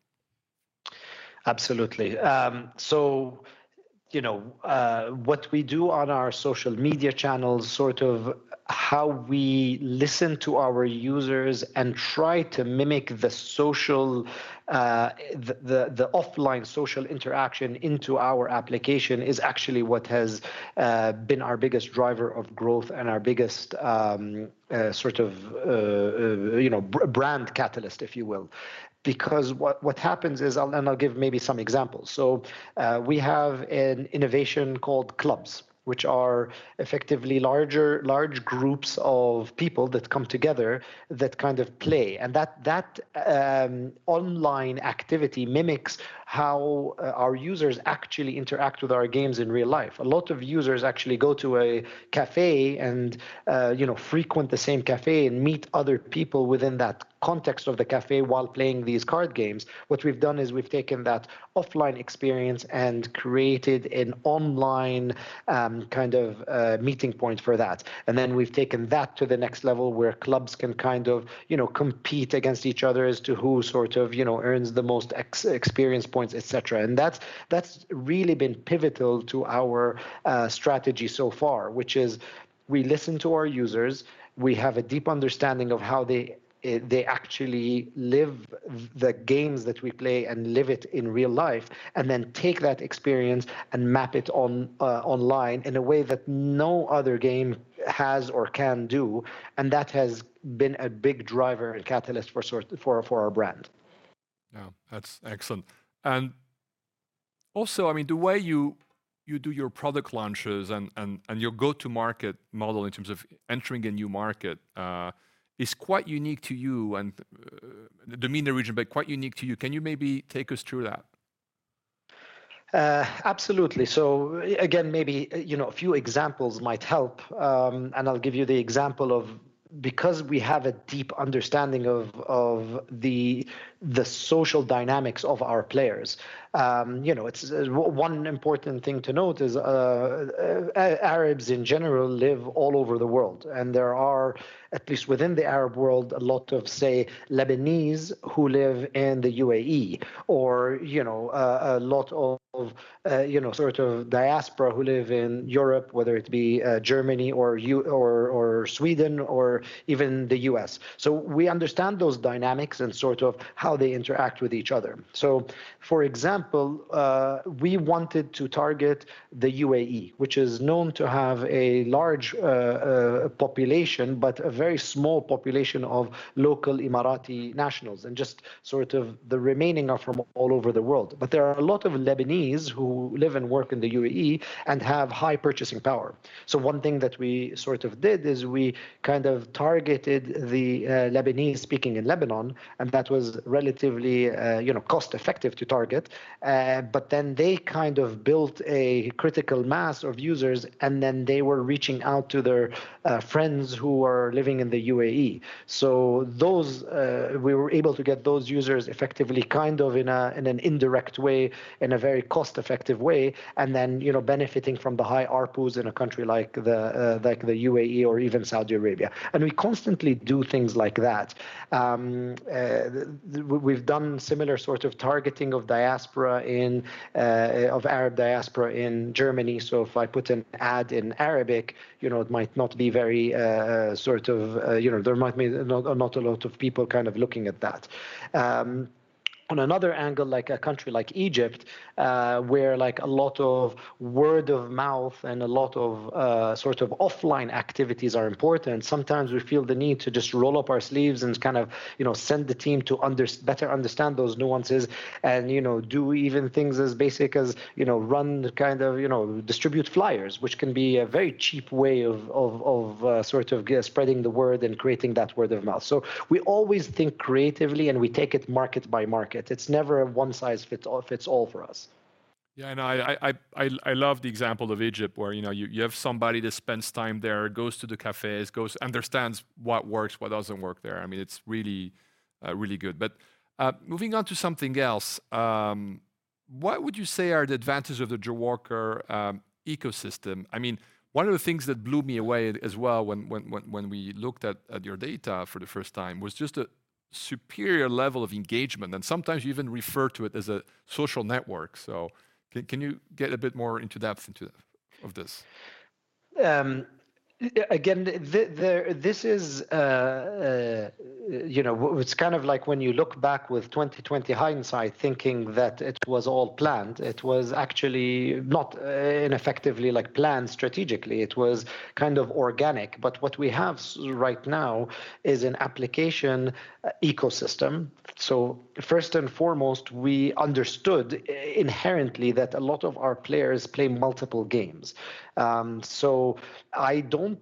Absolutely. You know, what we do on our social media channels, sort of how we listen to our users and try to mimic the social, the offline social interaction into our application is actually what has been our biggest driver of growth and our biggest, sort of, you know, brand catalyst, if you will. What happens is, I'll give maybe some examples. We have an innovation called clubs, which are effectively larger, large groups of people that come together that kind of play. That online activity mimics how our users actually interact with our games in real life. A lot of users actually go to a cafe and, you know, frequent the same cafe and meet other people within that context of the cafe while playing these card games. What we've done is we've taken that offline experience and created an online, kind of, meeting point for that. Then we've taken that to the next level where clubs can kind of, you know, compete against each other as to who sort of, you know, earns the most ex-experience points, et cetera. That's really been pivotal to our strategy so far, which is we listen to our users, we have a deep understanding of how they actually live the games that we play and live it in real life, and then take that experience and map it on online in a way that no other game has or can do, and that has been a big driver and catalyst for sort of, for our, for our brand. Yeah. That's excellent. Also, I mean, the way you do your product launches and your go-to-market model in terms of entering a new market is quite unique to you and, I mean, the region, but quite unique to you. Can you maybe take us through that? Absolutely. Again, maybe, you know, a few examples might help. I'll give you the example of, because we have a deep understanding of the social dynamics of our players, you know, it's one important thing to note is Arabs in general live all over the world, and there are, at least within the Arab world, a lot of, say, Lebanese who live in the UAE or, you know, a lot of, you know, sort of diaspora who live in Europe, whether it be, Germany or Sweden, or even the U.S. We understand those dynamics and sort of how they interact with each other. For example, we wanted to target the UAE, which is known to have a large population, but a very small population of local Emirati nationals, and just sort of the remaining are from all over the world. There are a lot of Lebanese who live and work in the UAE and have high purchasing power. One thing that we sort of did is we kind of targeted the Lebanese speaking in Lebanon, and that was relatively, you know, cost-effective to target. Then they kind of built a critical mass of users, and then they were reaching out to their friends who were living in the UAE. Those, we were able to get those users effectively kind of in a, in an indirect way, in a very cost-effective way, and then, you know, benefiting from the high ARPUs in a country like the UAE or even Saudi Arabia. We constantly do things like that. We've done similar sort of targeting of diaspora in of Arab diaspora in Germany. If I put an ad in Arabic, you know, it might not be very, sort of, you know, there might be not a lot of people kind of looking at that. On another angle, like a country like Egypt, where like a lot of word of mouth and a lot of sort of offline activities are important, sometimes we feel the need to just roll up our sleeves and kind of, you know, send the team to better understand those nuances and, you know, do even things as basic as, you know, run the kind of, you know, distribute flyers, which can be a very cheap way of spreading the word and creating that word of mouth. We always think creatively, and we take it market by market. It's never a one-size-fits-all for us. Yeah, I love the example of Egypt where, you know, you have somebody that spends time there, goes to the cafes, goes, understands what works, what doesn't work there. I mean, it's really really good. Moving on to something else, what would you say are the advantages of the Jawaker ecosystem? I mean, one of the things that blew me away as well when we looked at your data for the first time was just a superior level of engagement, and sometimes you even refer to it as a social network. Can you get a bit more into depth into of this? Again, this is, you know, it's kind of like when you look back with 20/20 hindsight thinking that it was all planned. It was actually not, ineffectively like planned strategically. It was kind of organic, but what we have right now is an application ecosystem. First and foremost, we understood inherently that a lot of our players play multiple games. I don't.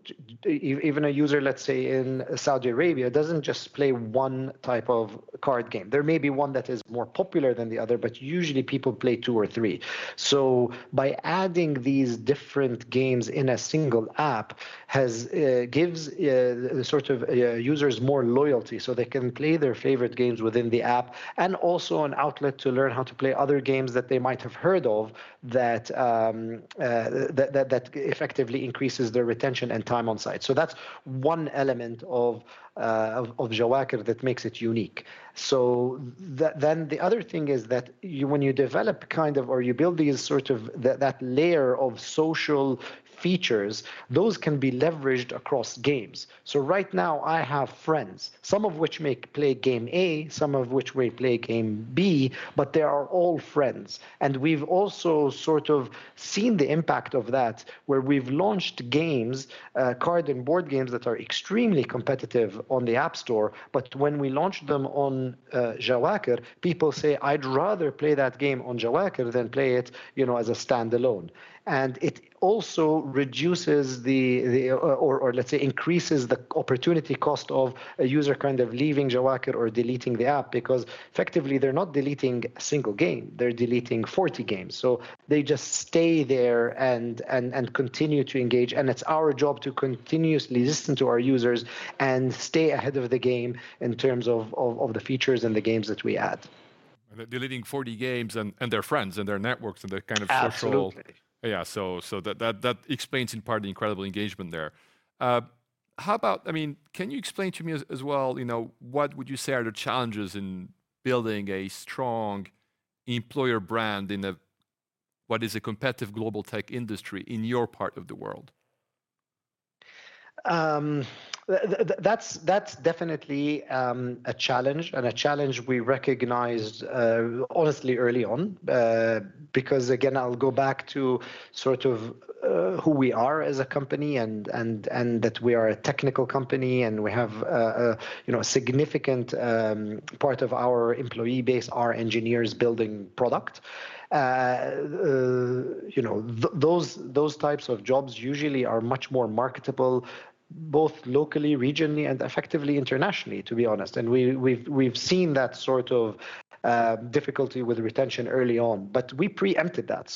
Even a user, let's say in Saudi Arabia, doesn't just play one type of card game. There may be one that is more popular than the other, but usually people play two or three. By adding these different games in a single app has gives the sort of users more loyalty, so they can play their favorite games within the app and also an outlet to learn how to play other games that they might have heard of that effectively increases their retention and time on site. That's one element of Jawaker that makes it unique. Then the other thing is that when you develop kind of or you build this sort of that layer of social features, those can be leveraged across games. Right now, I have friends, some of which may play game A, some of which may play game B, but they are all friends. We've also sort of seen the impact of that where we've launched games, card and board games that are extremely competitive on the App Store, but when we launch them on, Jawaker, people say, "I'd rather play that game on Jawaker than play it, you know, as a standalone." It also reduces the or let's say increases the opportunity cost of a user kind of leaving Jawaker or deleting the app because effectively they're not deleting a single game, they're deleting 40 games. They just stay there and continue to engage, and it's our job to continuously listen to our users and stay ahead of the game in terms of the features and the games that we add. They're deleting 40 games and their friends and their networks and their kind of Absolutely. Yeah, that explains in part the incredible engagement there. I mean, can you explain to me as well, you know, what would you say are the challenges in building a strong employer brand in a what is a competitive global tech industry in your part of the world? That's definitely a challenge and a challenge we recognized honestly early on, because again, I'll go back to sort of who we are as a company and that we are a technical company and we have a, you know, a significant part of our employee base are engineers building product. You know, those types of jobs usually are much more marketable both locally, regionally, and effectively internationally, to be honest. We've seen that sort of difficulty with retention early on, but we preempted that.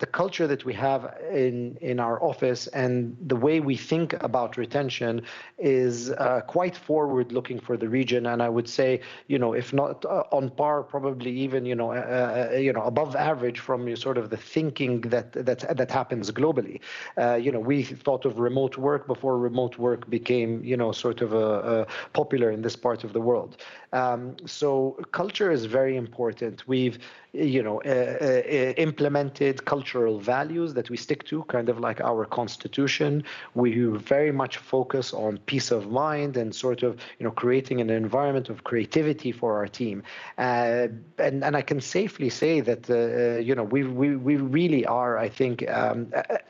The culture that we have in our office and the way we think about retention is quite forward-looking for the region, and I would say, you know, if not on par probably even, you know, above average from your sort of the thinking that happens globally. You know, we thought of remote work before remote work became, you know, sort of popular in this part of the world. Culture is very important. We've, you know, implemented cultural values that we stick to kind of like our constitution. We very much focus on peace of mind and sort of, you know, creating an environment of creativity for our team. I can safely say that, you know, we really are, I think,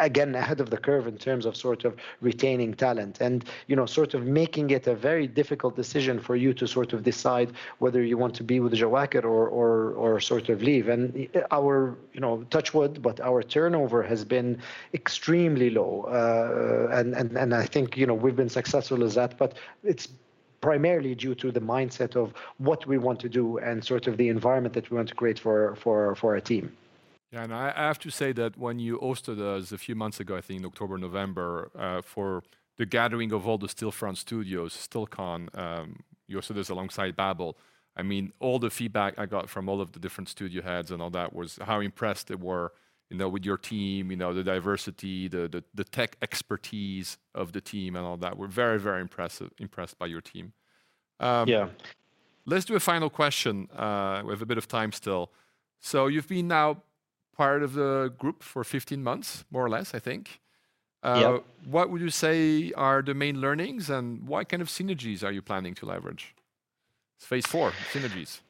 again, ahead of the curve in terms of sort of retaining talent and, you know, sort of making it a very difficult decision for you to sort of decide whether you want to be with Jawaker or sort of leave. Our, you know, touch wood, but our turnover has been extremely low. And I think, you know, we've been successful as that, but it's primarily due to the mindset of what we want to do and sort of the environment that we want to create for our team. I have to say that when you hosted us a few months ago, I think in October, November, for the gathering of all the Stillfront studios, Stillcon, you hosted this alongside Babbel. All the feedback I got from all of the different studio heads and all that was how impressed they were, you know, with your team, you know, the diversity, the tech expertise of the team and all that were very impressed by your team. Yeah. Let's do a final question. We have a bit of time still. You've been part of the group for 15 months, more or less, I think. Yep. What would you say are the main learnings, and what kind of synergies are you planning to leverage? It's Phase Four—synergies.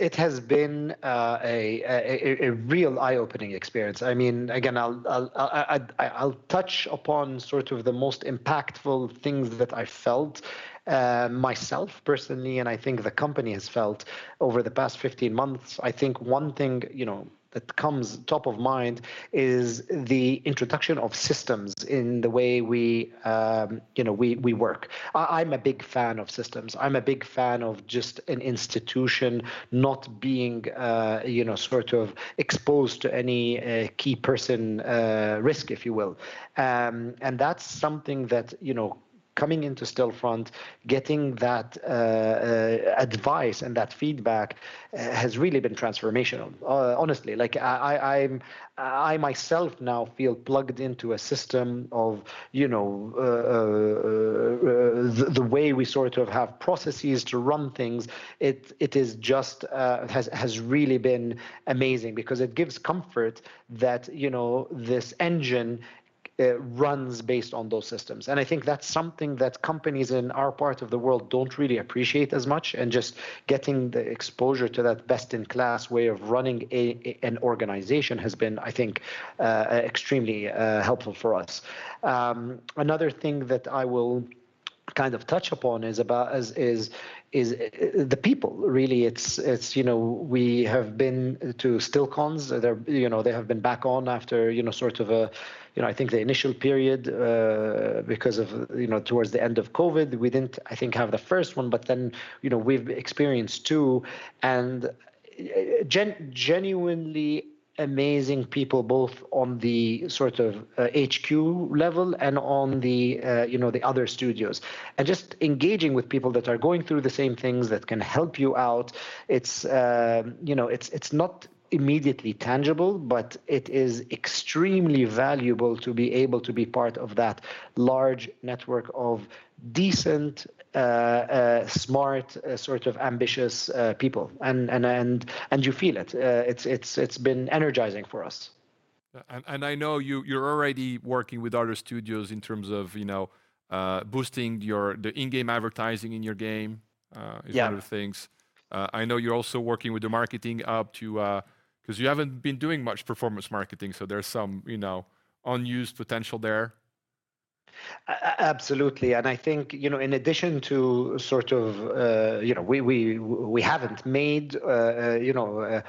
It has been a real eye-opening experience. I mean, again, I'll touch upon sort of the most impactful things that I felt myself personally, and I think the company has felt over the past 15 months. I think one thing, you know, that comes top of mind is the introduction of systems in the way we, you know, we work. I'm a big fan of systems. I'm a big fan of just an institution not being, you know, sort of exposed to any key person risk, if you will. That's something that, you know, coming into Stillfront, getting that advice and that feedback has really been transformational. Honestly, like I'm... I myself now feel plugged into a system of, you know, the way we sort of have processes to run things, it is just has really been amazing because it gives comfort that, you know, this engine runs based on those systems, and I think that's something that companies in our part of the world don't really appreciate as much and just getting the exposure to that best-in-class way of running an organization has been, I think, extremely helpful for us. Another thing that I will kind of touch upon is about the people, really. It's, you know, we have been to Stillcons. They're, you know, they have been back on after, you know, sort of a, you know, I think the initial period, because of, you know, towards the end of COVID, we didn't, I think, have the first one, but then, you know, we've experienced two. Genuinely amazing people, both on the sort of HQ level and on the, you know, the other studios. Just engaging with people that are going through the same things that can help you out, it's, you know, it's not immediately tangible, but it is extremely valuable to be able to be part of that large network of decent, smart, sort of ambitious people, and you feel it. It's been energizing for us. I know you're already working with other studios in terms of, you know, boosting the in-game advertising in your game. Yeah... as one of the things. I know you're also working with the marketing hub to 'cause you haven't been doing much performance marketing, so there's some, you know, unused potential there. Absolutely, I think, you know, in addition to sort of, you know, we haven't made, you know,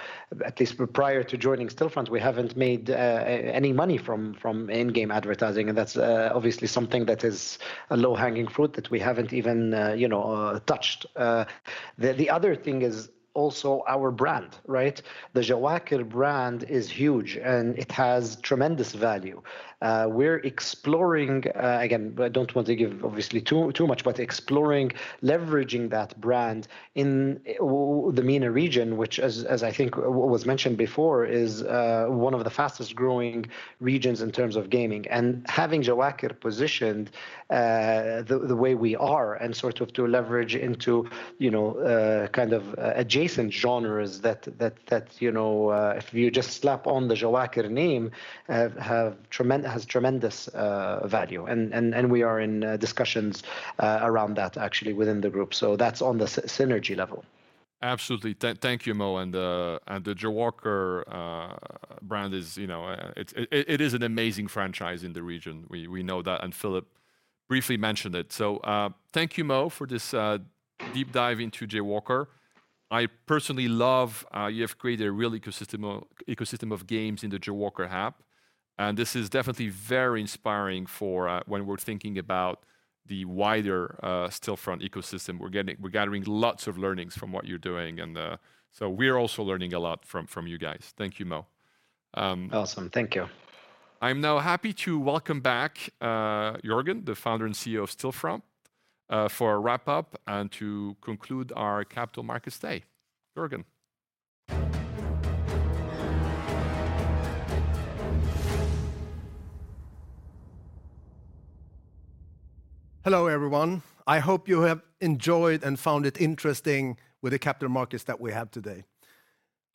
at least prior to joining Stillfront, we haven't made any money from in-game advertising. That's obviously something that is a low-hanging fruit that we haven't even, you know, touched. The other thing is also our brand, right? The Jawaker brand is huge, and it has tremendous value. We're exploring, again, I don't want to give obviously too much, but exploring leveraging that brand in the MENA region, which as I think was mentioned before, is one of the fastest-growing regions in terms of gaming and having Jawaker positioned the way we are and sort of to leverage into, you know, kind of adjacent genres that, you know, if you just slap on the Jawaker name, has tremendous value and we are in discussions around that actually within the group. That's on the synergy level. Absolutely. Thank you, Mo, and the Jawaker brand is, you know, it's an amazing franchise in the region. We know that, and Philipp briefly mentioned it. Thank you, Mo, for this deep dive into Jawaker. I personally love, you have created a real ecosystem of games in the Jawaker app, and this is definitely very inspiring for when we're thinking about the wider Stillfront ecosystem. We're gathering lots of learnings from what you're doing, and we're also learning a lot from you guys. Thank you, Mo. Awesome. Thank you. I'm now happy to welcome back, Jörgen, the Founder and CEO of Stillfront, for a wrap-up and to conclude our Capital Markets Day. Jörgen. Hello, everyone. I hope you have enjoyed and found it interesting with the Capital Markets that we have today.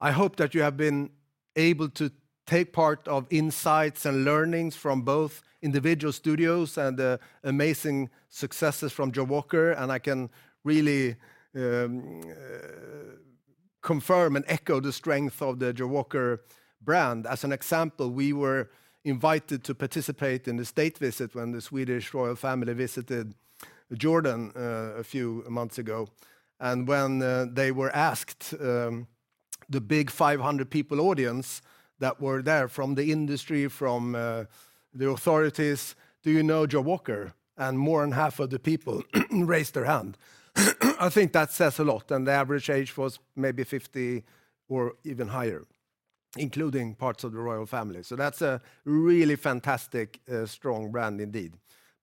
I hope that you have been able to take part of insights and learnings from both individual studios and the amazing successes from Jawaker, and I can really confirm and echo the strength of the Jawaker brand. As an example, we were invited to participate in the state visit when the Swedish royal family visited Jordan a few months ago, and when they were asked the big 500 people audience that were there from the industry, from the authorities, "Do you know Jawaker?" More than half of the people raised their hand. I think that says a lot. The average age was maybe 50 or even higher, including parts of the royal family. That's a really fantastic, strong brand indeed.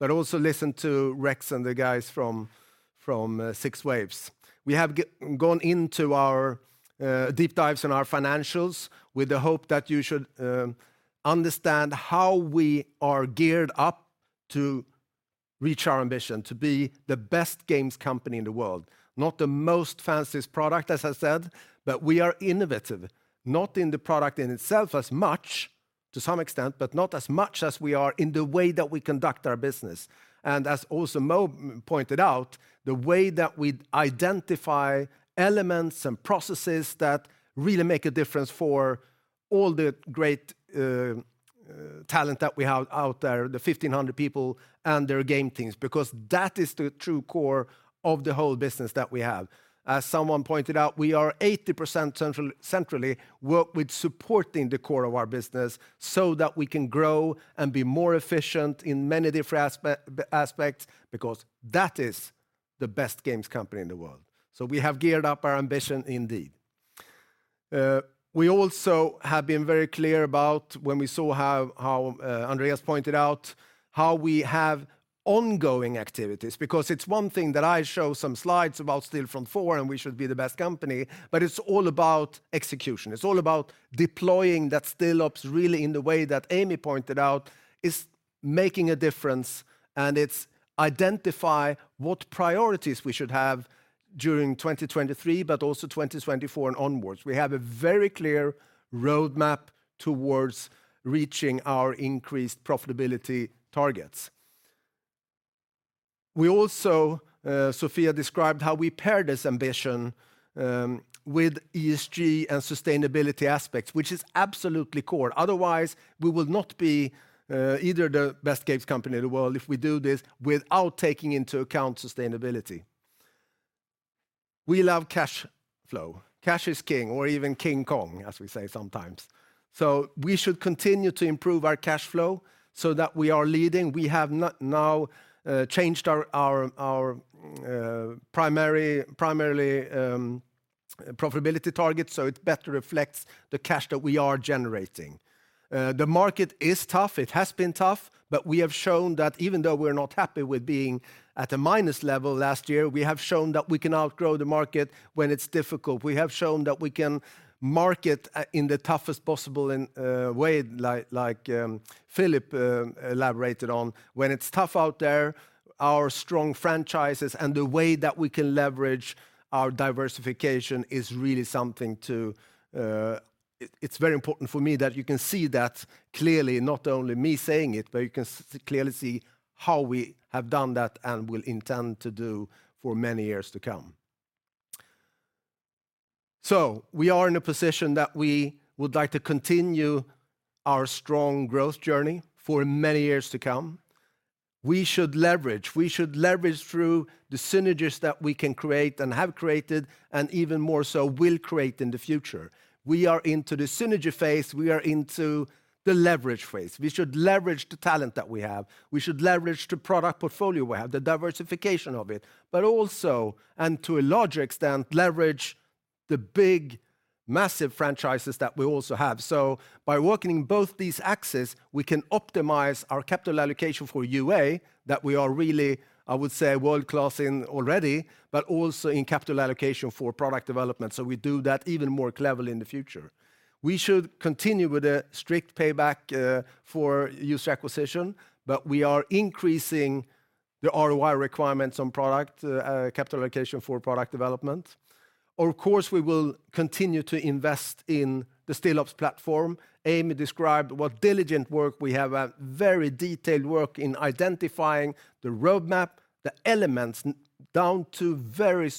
Also listen to Rex and the guys from 6waves. We have gone into our deep dives in our financials with the hope that you should understand how we are geared up to reach our ambition to be the best games company in the world. Not the most fanciest product, as I said, but we are innovative, not in the product in itself as much, to some extent, but not as much as we are in the way that we conduct our business. As also Mo pointed out, the way that we identify elements and processes that really make a difference for all the great talent that we have out there, the 1,500 people and their game teams, because that is the true core of the whole business that we have. As someone pointed out, we are 80% centrally work with supporting the core of our business so that we can grow and be more efficient in many different aspects, because that is the best games company in the world. We have geared up our ambition indeed. We also have been very clear about when we saw how Andreas pointed out how we have ongoing activities. It's one thing that I show some slides about Stillfront, and we should be the best company, but it's all about execution. It's all about deploying that Stillops really in the way that Amy pointed out, is making a difference, and it's identify what priorities we should have during 2023, but also 2024 and onwards. We have a very clear roadmap towards reaching our increased profitability targets. We also, Sofia described how we pair this ambition with ESG and sustainability aspects, which is absolutely core. We will not be either the best games company in the world if we do this without taking into account sustainability. We love cash flow. Cash is king or even King Kong, as we say sometimes. We should continue to improve our cash flow so that we are leading. We have now changed our primarily profitability target, it better reflects the cash that we are generating. The market is tough, it has been tough, we have shown that even though we're not happy with being at a minus level last year, we have shown that we can outgrow the market when it's difficult. We have shown that we can market, in the toughest possible way, like Philipp elaborated on. When it's tough out there, our strong franchises and the way that we can leverage our diversification is really something to. It's very important for me that you can see that clearly, not only me saying it, but you can clearly see how we have done that and will intend to do for many years to come. We are in a position that we would like to continue our strong growth journey for many years to come. We should leverage. We should leverage through the synergies that we can create and have created, and even more so will create in the future. We are into the Synergy Phase; we are into the Leverage Phase. We should leverage the talent that we have. We should leverage the product portfolio we have, the diversification of it. Also, and to a larger extent, leverage the big, massive franchises that we also have. By working in both these axes, we can optimize our capital allocation for UA, that we are really, I would say, world-class in already, but also in capital allocation for product development. We do that even more cleverly in the future. We should continue with a strict payback for user acquisition, but we are increasing the ROI requirements on product capital allocation for product development. Of course, we will continue to invest in the Stillops platform. Amy described what diligent work we have, a very detailed work in identifying the roadmap, the elements, down to very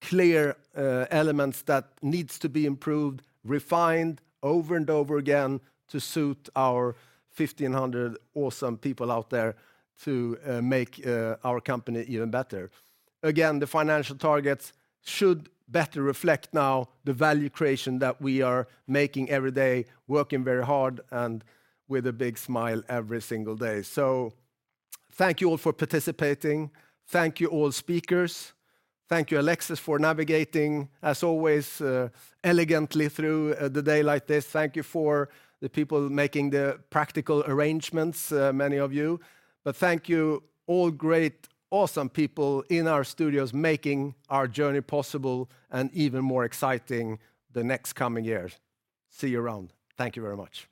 clear elements that needs to be improved, refined over and over again to suit our 1,500 awesome people out there to make our company even better. The financial targets should better reflect now the value creation that we are making every day, working very hard and with a big smile every single day. Thank you all for participating. Thank you, all speakers. Thank you, Alexis, for navigating as always elegantly through the day like this. Thank you for the people making the practical arrangements, many of you. Thank you, all great, awesome people, in our studios making our journey possible and even more exciting the next coming years. See you around. Thank you very much.